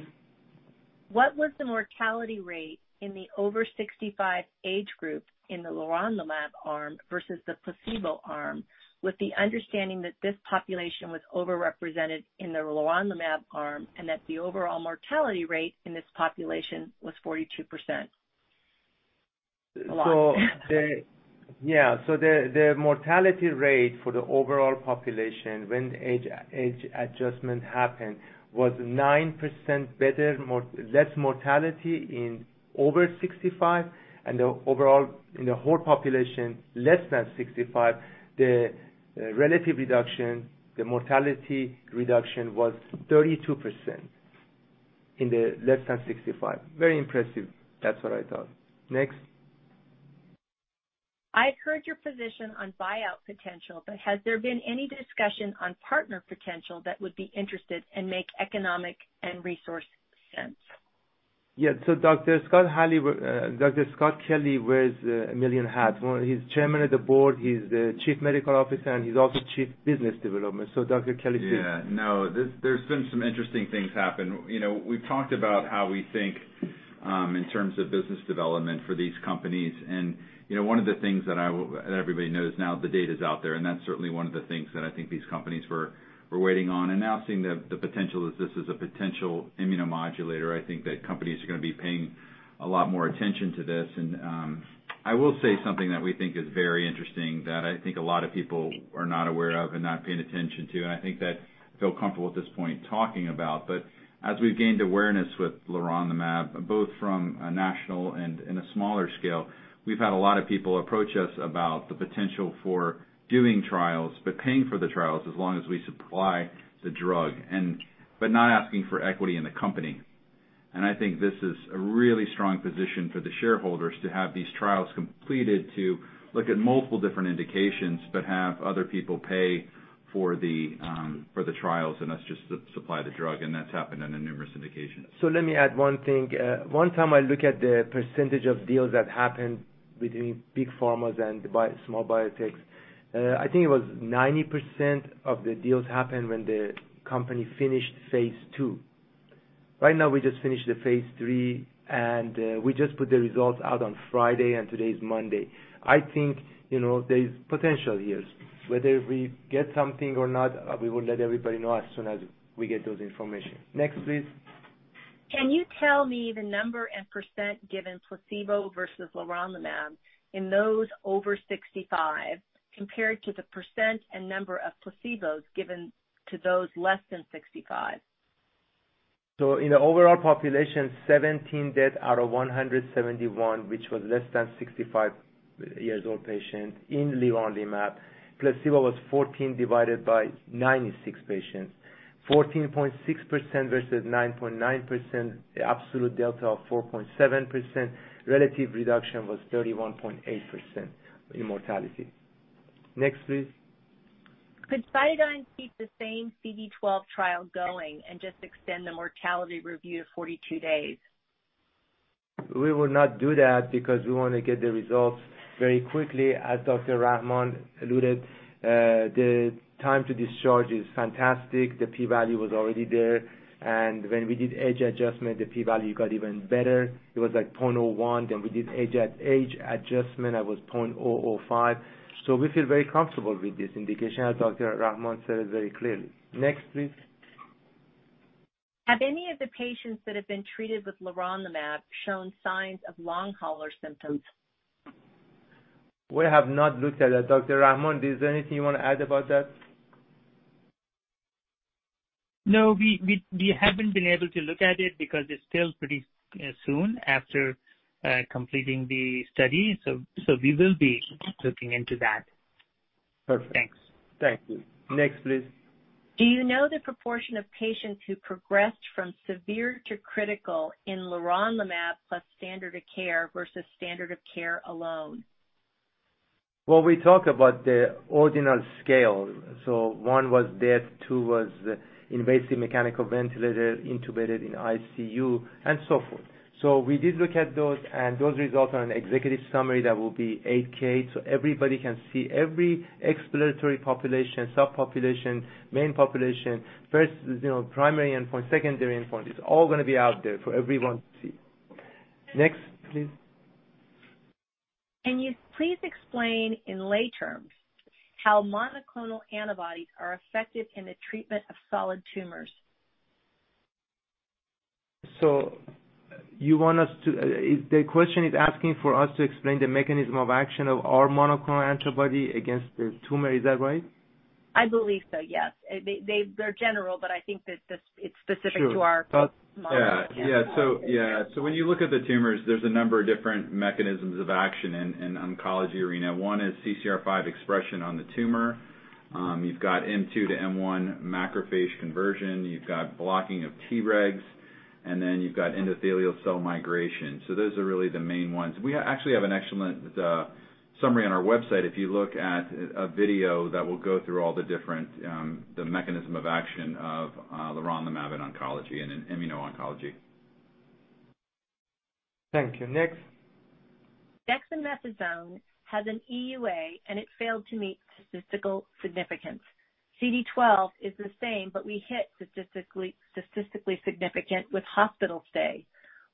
What was the mortality rate in the over 65 age group in the leronlimab arm versus the placebo arm, with the understanding that this population was over-represented in the leronlimab arm and that the overall mortality rate in this population was 42%? A lot. Yeah. The mortality rate for the overall population when age adjustment happened was 9% better, less mortality in over 65. The overall, in the whole population less than 65, the relative reduction, the mortality reduction was 32% in the less than 65. Very impressive. That's what I thought. Next. I've heard your position on buyout potential, has there been any discussion on partner potential that would be interested and make economic and resource sense? Yeah. Dr. Scott Kelly wears a million hats. He's Chairman of the Board, he's the Chief Medical Officer, and he's also Chief Business Development. Dr. Kelly. Yeah. No. There's been some interesting things happen. We've talked about how we think, in terms of business development for these companies. One of the things that everybody knows now, the data's out there, and that's certainly one of the things that I think these companies were waiting on. Now seeing the potential is this is a potential immunomodulator, I think that companies are going to be paying a lot more attention to this. I will say something that we think is very interesting that I think a lot of people are not aware of and not paying attention to, and I think that feel comfortable at this point talking about. As we've gained awareness with leronlimab, both from a national and in a smaller scale, we've had a lot of people approach us about the potential for doing trials, but paying for the trials as long as we supply the drug, but not asking for equity in the company. I think this is a really strong position for the shareholders to have these trials completed to look at multiple different indications, but have other people pay for the trials, and that's just supply the drug, and that's happened in numerous indications. Let me add one thing. One time I look at the percentage of deals that happened between big pharmas and small biotechs, I think it was 90% of the deals happen when the company finished phase II. Right now, we just finished the phase III, and we just put the results out on Friday, and today is Monday. I think there's potential here. Whether we get something or not, we will let everybody know as soon as we get those information. Next, please. Can you tell me the number and percent given placebo versus leronlimab in those over 65 compared to the percent and number of placebos given to those less than 65? In the overall population, 17 death out of 171, which was less than 65 years old patient in leronlimab. Placebo was 14 divided by 96 patients, 14.6% versus 9.9%, absolute delta of 4.7%. Relative reduction was 31.8% in mortality. Next, please. Could CytoDyn keep the same CD12 trial going and just extend the mortality review to 42 days? We will not do that because we want to get the results very quickly. As Dr. Rahman alluded, the time to discharge is fantastic. The P value was already there. When we did age adjustment, the P value got even better. It was like 0.01. We did age adjustment, it was 0.005. We feel very comfortable with this indication, as Dr. Rahman said it very clearly. Next, please. Have any of the patients that have been treated with leronlimab shown signs of long hauler symptoms? We have not looked at that. Dr. Rahman, is there anything you want to add about that? No, we haven't been able to look at it because it's still pretty soon after completing the study. We will be looking into that. Perfect. Thank you. Next, please. Do you know the proportion of patients who progressed from severe to critical in leronlimab plus standard of care versus standard of care alone? We talk about the ordinal scale, so one was death, two was invasive mechanical ventilator, intubated in ICU, and so forth. We did look at those, and those results are on the executive summary that will be 8-K, so everybody can see every exploratory population, subpopulation, main population, first primary endpoint, secondary endpoint. It's all going to be out there for everyone to see. Next, please. Can you please explain in lay terms how monoclonal antibodies are effective in the treatment of solid tumors? The question is asking for us to explain the mechanism of action of our monoclonal antibody against the tumor. Is that right? I believe so, yes. They're general, I think that it's specific to our- Sure. monoclonal antibody. Yeah. When you look at the tumors, there's a number of different mechanisms of action in oncology arena. One is CCR5 expression on the tumor. You've got M2 to M1 macrophage conversion. You've got blocking of Tregs, and then you've got endothelial cell migration. Those are really the main ones. We actually have an excellent summary on our website. If you look at a video that will go through all the different mechanism of action of leronlimab in oncology and in immuno-oncology. Thank you. Next. dexamethasone has an EUA. It failed to meet statistical significance. CD12 is the same. We hit statistically significant with hospital stay.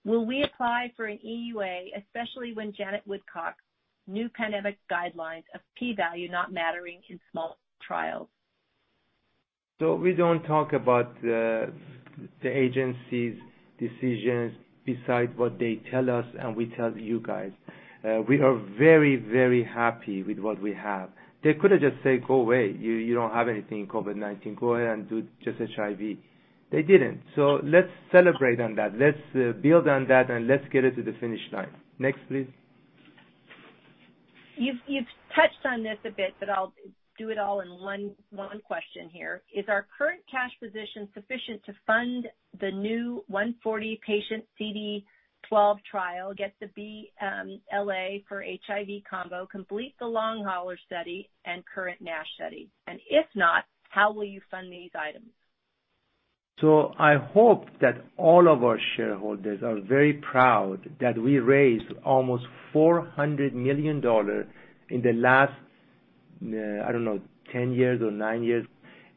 Will we apply for an EUA, especially when Janet Woodcock's new pandemic guidelines of P value not mattering in small trials? We don't talk about the agency's decisions besides what they tell us and we tell you guys. We are very, very happy with what we have. They could've just said, "Go away. You don't have anything COVID-19. Go away and do just HIV." They didn't. Let's celebrate on that. Let's build on that, and let's get it to the finish line. Next, please. You've touched on this a bit, I'll do it all in one question here. Is our current cash position sufficient to fund the new 140 patient CD12 trial, get the BLA for HIV combo, complete the long hauler study, and current NASH study? If not, how will you fund these items? I hope that all of our shareholders are very proud that we raised almost $400 million in the last, I don't know, 10 years or nine years.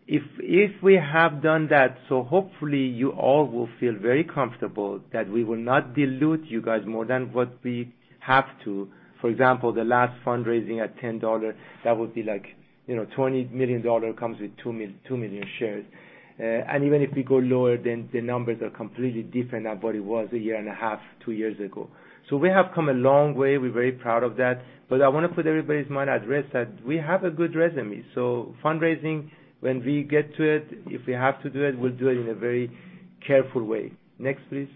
If we have done that, hopefully you all will feel very comfortable that we will not dilute you guys more than what we have to. For example, the last fundraising at $10, that would be like $20 million comes with two million shares. Even if we go lower, the numbers are completely different than what it was a year and a half, two years ago. We have come a long way. We're very proud of that. I want to put everybody's mind at rest that we have a good resume. Fundraising, when we get to it, if we have to do it, we'll do it in a very careful way. Next, please.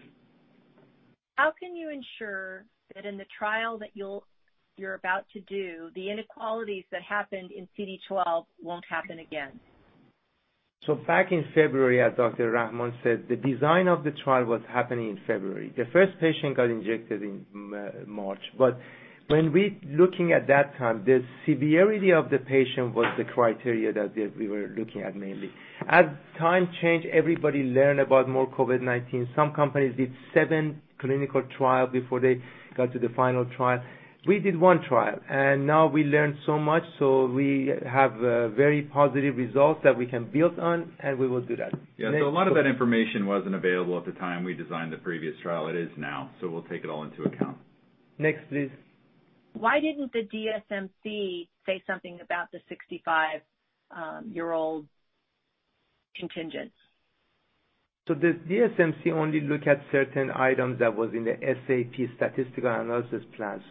How can you ensure that in the trial that you're about to do, the inequalities that happened in CD12 won't happen again? Back in February, as Dr. Rahman said, the design of the trial was happening in February. The first patient got injected in March. When we're looking at that time, the severity of the patient was the criteria that we were looking at mainly. As time changed, everybody learned about more COVID-19. Some companies did seven clinical trial before they got to the final trial. We did one trial, and now we learned so much, so we have very positive results that we can build on, and we will do that. Next. Yeah. A lot of that information wasn't available at the time we designed the previous trial. It is now, so we'll take it all into account. Next, please. Why didn't the DSMC say something about the 65-year-old contingent? The DSMC only look at certain items that was in the SAP, statistical analysis plan.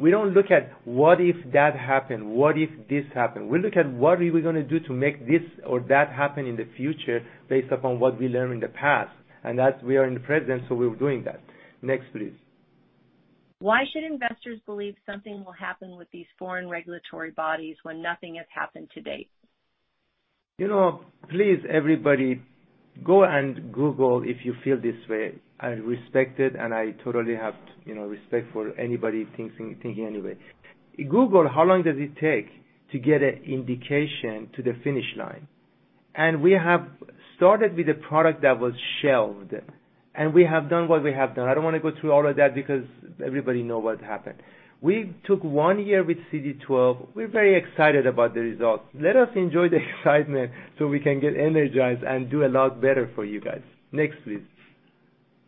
We don't look at what if that happened, what if this happened. We look at what are we going to do to make this or that happen in the future based upon what we learn in the past. That we are in the present, so we're doing that. Next, please. Why should investors believe something will happen with these foreign regulatory bodies when nothing has happened to date? Please, everybody, go and Google if you feel this way. I respect it, and I totally have respect for anybody thinking anyway. Google how long does it take to get an indication to the finish line. We have started with a product that was shelved, and we have done what we have done. I don't want to go through all of that because everybody know what happened. We took one year with CD12. We're very excited about the results. Let us enjoy the excitement so we can get energized and do a lot better for you guys. Next, please.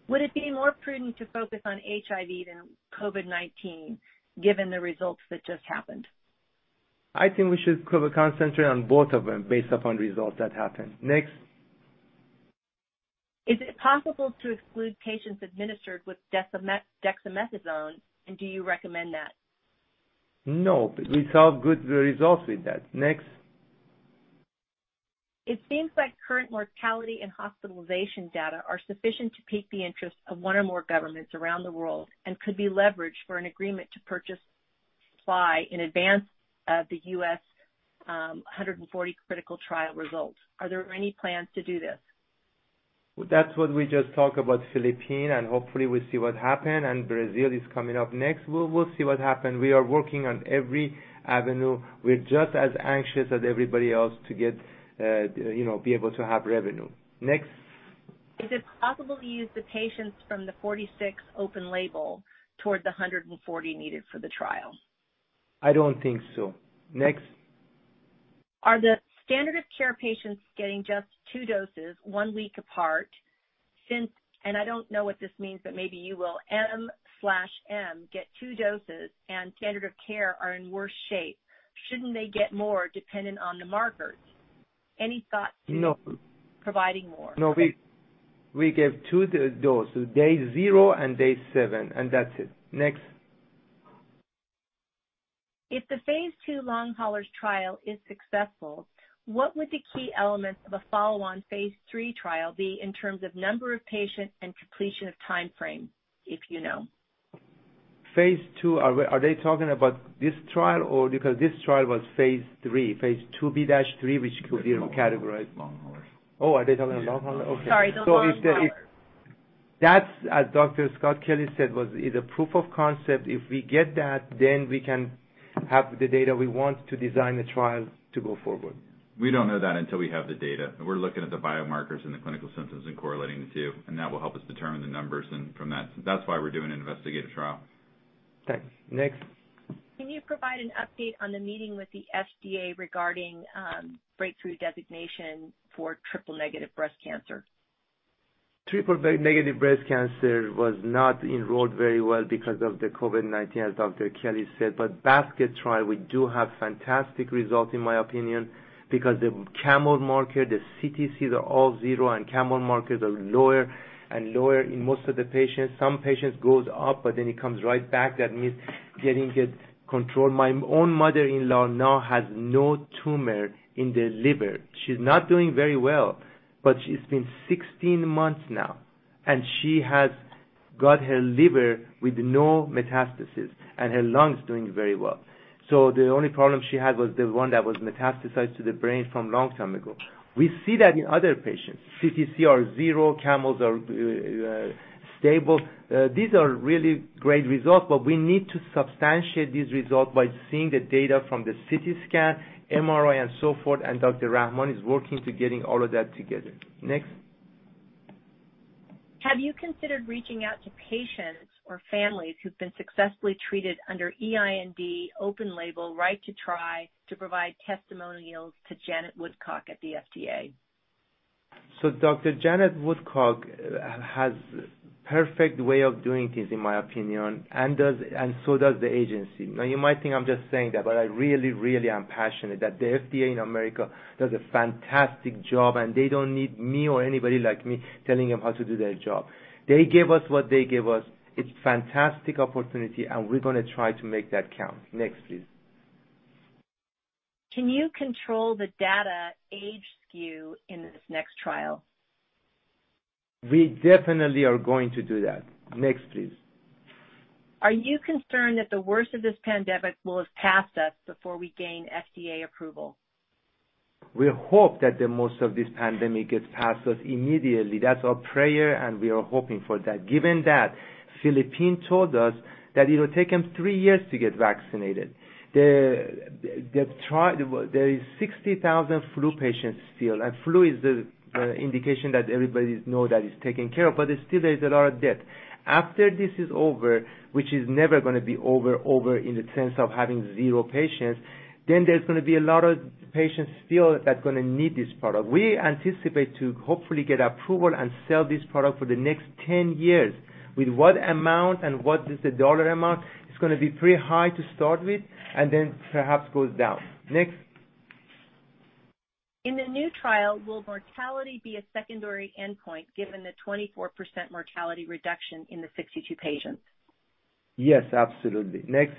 Would it be more prudent to focus on HIV than COVID-19 given the results that just happened? I think we should concentrate on both of them based upon results that happened. Next. Is it possible to exclude patients administered with dexamethasone, and do you recommend that? No. We saw good results with that. Next. It seems like current mortality and hospitalization data are sufficient to pique the interest of one or more governments around the world, and could be leveraged for an agreement to purchase supply in advance of the U.S. 140 critical trial results. Are there any plans to do this? That's what we just talk about Philippine, hopefully we see what happen, Brazil is coming up next. We'll see what happen. We are working on every avenue. We're just as anxious as everybody else to be able to have revenue. Next. Is it possible to use the patients from the 46 open label toward the 140 needed for the trial? I don't think so. Next. Are the standard of care patients getting just two doses one week apart since, and I don't know what this means, but maybe you will, M/M get two doses and standard of care are in worse shape? Shouldn't they get more dependent on the markers? Any thought to. No providing more? No, we give two dose, so day zero and day seven, and that's it. Next. If the phase II long haulers trial is successful, what would the key elements of a follow-on phase III trial be in terms of number of patient and completion of timeframe, if you know? phase II, are they talking about this trial? Because this trial was phase III. phase IIb/III, which could be categorized. Long haulers. Oh, are they talking about long hauler? Okay. Sorry, the long hauler. That, as Dr. Scott Kelly said, was it a proof of concept. If we get that, then we can have the data we want to design the trial to go forward. We don't know that until we have the data. We're looking at the biomarkers and the clinical symptoms and correlating the two, and that will help us determine the numbers from that. That's why we're doing an investigative trial. Okay. Next. Can you provide an update on the meeting with the FDA regarding breakthrough designation for triple-negative breast cancer? Triple-negative breast cancer was not enrolled very well because of the COVID-19, as Dr. Kelly said. Basket trial, we do have fantastic result, in my opinion, because the CAML marker, the CTCs are all zero, and CAML marker are lower and lower in most of the patients. Some patients goes up, it comes right back. That means getting it controlled. My own mother-in-law now has no tumor in the liver. She's not doing very well, but she's been 16 months now, and she has got her liver with no metastasis, and her lungs doing very well. The only problem she had was the one that was metastasized to the brain from long time ago. We see that in other patients. CTC are zero. CAMLs are stable. These are really great results. We need to substantiate these result by seeing the data from the CT scan, MRI, and so forth. Dr. Rahman is working to getting all of that together. Next. Have you considered reaching out to patients or families who've been successfully treated under EIND open label Right to Try to provide testimonials to Janet Woodcock at the FDA? Dr. Janet Woodcock has perfect way of doing this, in my opinion, and so does the agency. You might think I'm just saying that, I really, really am passionate that the FDA in America does a fantastic job, and they don't need me or anybody like me telling them how to do their job. They give us what they give us. It's fantastic opportunity, we're going to try to make that count. Next, please. Can you control the data age skew in this next trial? We definitely are going to do that. Next, please. Are you concerned that the worst of this pandemic will have passed us before we gain FDA approval? We hope that the most of this pandemic is passed us immediately. That's our prayer, and we are hoping for that. Given that, Philippines told us that it'll take them three years to get vaccinated. There is 60,000 flu patients still, and flu is the indication that everybody know that it's taken care of. Still, there's a lot of death. After this is over, which is never going to be over in the sense of having zero patients, then there's going to be a lot of patients still that are going to need this product. We anticipate to hopefully get approval and sell this product for the next 10 years. With what amount and what is the dollar amount? It's going to be pretty high to start with, and then perhaps goes down. Next. In the new trial, will mortality be a secondary endpoint given the 24% mortality reduction in the 62 patients? Yes, absolutely. Next.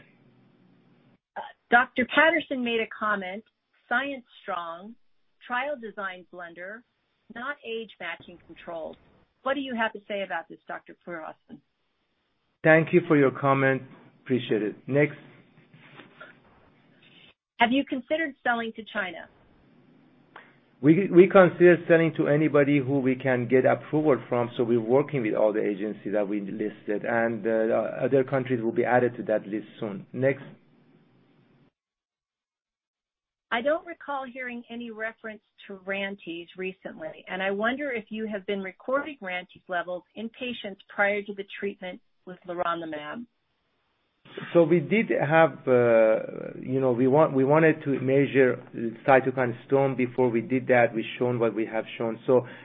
Bruce Patterson made a comment, "Science strong, trial design blender, not age matching controls." What do you have to say about this, Dr. Pourhassan? Thank you for your comment. Appreciate it. Next. Have you considered selling to China? We consider selling to anybody who we can get approval from, so we're working with all the agencies that we listed, and other countries will be added to that list soon. Next. I don't recall hearing any reference to RANTES recently, and I wonder if you have been recording RANTES levels in patients prior to the treatment with leronlimab. We wanted to measure cytokine storm. Before we did that, we've shown what we have shown.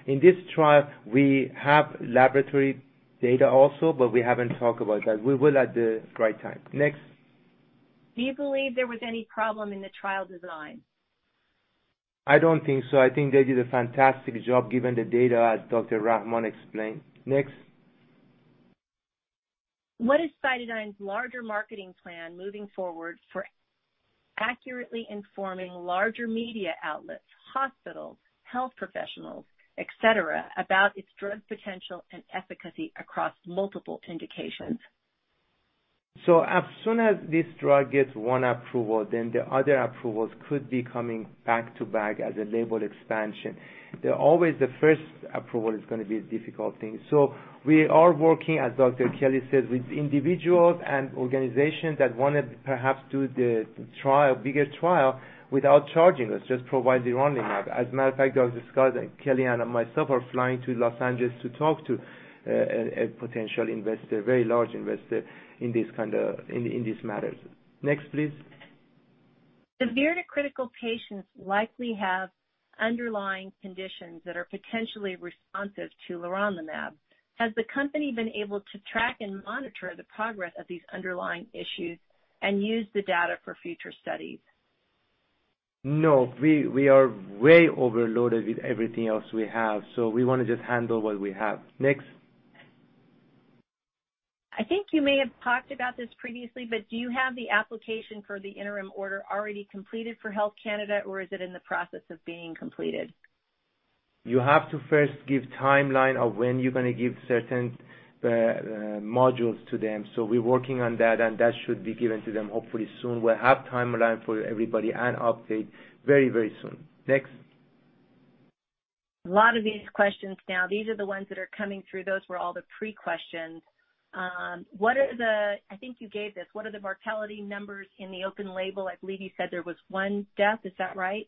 In this trial, we have laboratory data also, but we haven't talked about that. We will at the right time. Next. Do you believe there was any problem in the trial design? I don't think so. I think they did a fantastic job given the data, as Dr. Rahman explained. Next. What is CytoDyn's larger marketing plan moving forward for accurately informing larger media outlets, hospitals, health professionals, et cetera, about its drug potential and efficacy across multiple indications? As soon as this drug gets one approval, then the other approvals could be coming back to back as a label expansion. Always the first approval is going to be a difficult thing. We are working, as Dr. Kelly said, with individuals and organizations that want to perhaps do the bigger trial without charging us, just provide the leronlimab. As a matter of fact, I was discussing, Kelly and myself are flying to Los Angeles to talk to a potential investor, very large investor, in these matters. Next, please. The severe to critical patients likely have underlying conditions that are potentially responsive to leronlimab. Has the company been able to track and monitor the progress of these underlying issues and use the data for future studies? No. We are way overloaded with everything else we have. We want to just handle what we have. Next. I think you may have talked about this previously, but do you have the application for the interim order already completed for Health Canada, or is it in the process of being completed? You have to first give timeline of when you're going to give certain modules to them. We're working on that, and that should be given to them hopefully soon. We'll have timeline for everybody and update very soon. Next. A lot of these questions now, these are the ones that are coming through. Those were all the pre-questions. I think you gave this. What are the mortality numbers in the open label? I believe you said there was one death. Is that right?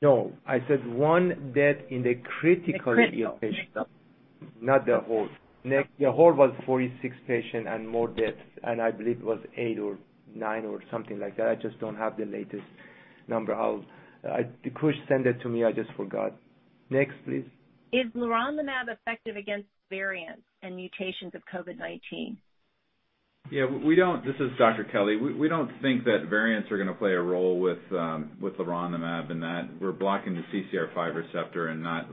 No. I said one death in the critical patient. The critical not the whole. Next. The whole was 46 patients and more deaths, and I believe it was eight or nine or something like that. I just don't have the latest number. Kush sent it to me, I just forgot. Next, please. Is leronlimab effective against variants and mutations of COVID-19? Yeah. This is Dr. Kelly. We don't think that variants are going to play a role with leronlimab in that we're blocking the CCR5 receptor and not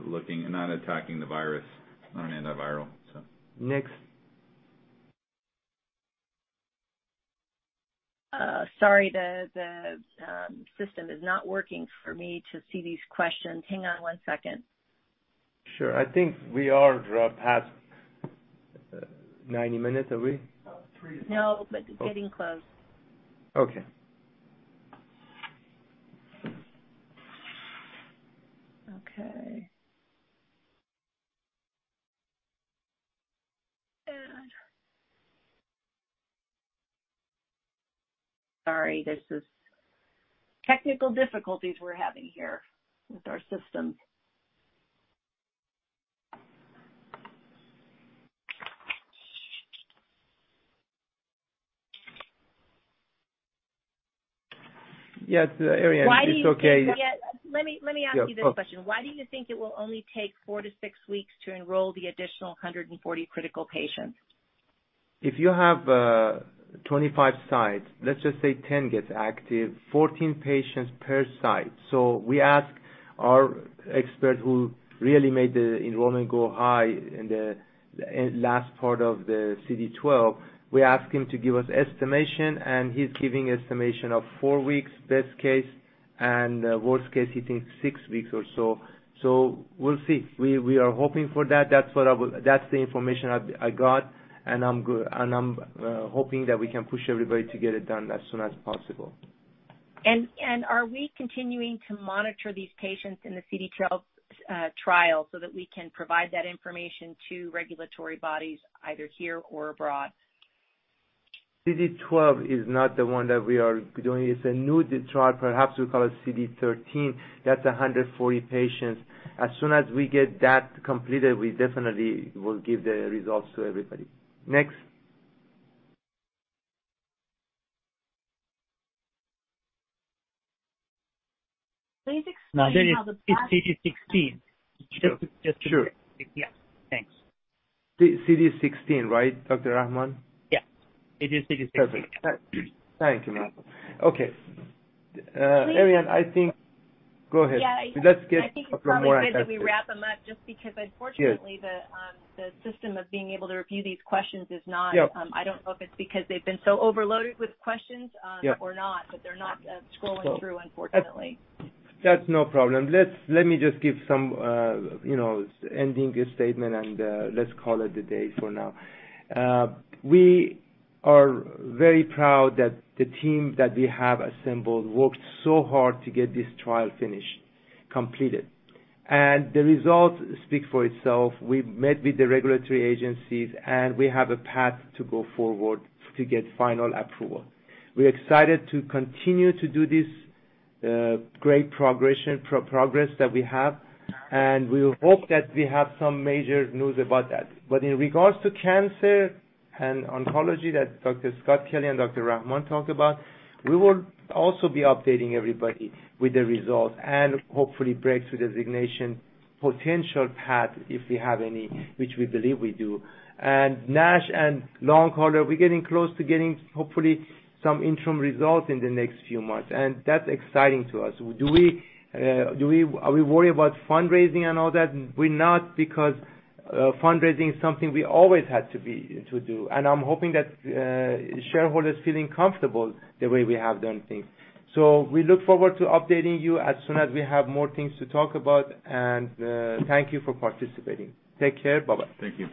attacking the virus on antiviral. Next. Sorry, the system is not working for me to see these questions. Hang on one second. Sure. I think we are past 90 minutes. Are we? No, but getting close. Okay. Okay. Sorry, this is technical difficulties we're having here with our systems. Yes, Arian, it's okay. Let me ask you this question. Yeah, go. Why do you think it will only take four to six weeks to enroll the additional 140 critical patients? If you have 25 sites, let's just say 10 gets active, 14 patients per site. We ask our expert, who really made the enrollment go high in the last part of the CD12, we ask him to give us estimation, and he's giving estimation of four weeks, best case, and worst case, he thinks six weeks or so. We'll see. We are hoping for that. That's the information I got, and I'm hoping that we can push everybody to get it done as soon as possible. Are we continuing to monitor these patients in the CD12 trial so that we can provide that information to regulatory bodies either here or abroad? CD12 is not the one that we are doing. It's a new trial. Perhaps we'll call it CD13. That's 140 patients. As soon as we get that completed, we definitely will give the results to everybody. Next. Please explain how. It's CD16. Sure. Just to be clear. Sure. Yeah. Thanks. CD16, right, Dr. Rahman? Yeah. It is CD16. Perfect. Thank you. Okay. Arian, go ahead. Yeah. Let's get Dr. Morag. I think it's probably best that we wrap them up just because unfortunately the system of being able to review these questions is not. Yeah. I don't know if it's because they've been so overloaded with questions. Yeah or not, but they're not scrolling through, unfortunately. That's no problem. Let me just give some ending statement, and let's call it a day for now. We are very proud that the team that we have assembled worked so hard to get this trial finished, completed, and the results speak for itself. We've met with the regulatory agencies, and we have a path to go forward to get final approval. We're excited to continue to do this great progress that we have, and we hope that we have some major news about that. In regards to cancer and oncology that Dr. Scott Kelly and Dr. Rahman talked about, we will also be updating everybody with the results and hopefully breakthrough designation potential path, if we have any, which we believe we do. NASH and long haul, we're getting close to getting, hopefully, some interim results in the next few months, and that's exciting to us. Are we worried about fundraising and all that? We're not, because fundraising is something we always had to do. I'm hoping that shareholders feeling comfortable the way we have done things. We look forward to updating you as soon as we have more things to talk about. Thank you for participating. Take care. Bye-bye. Thank you.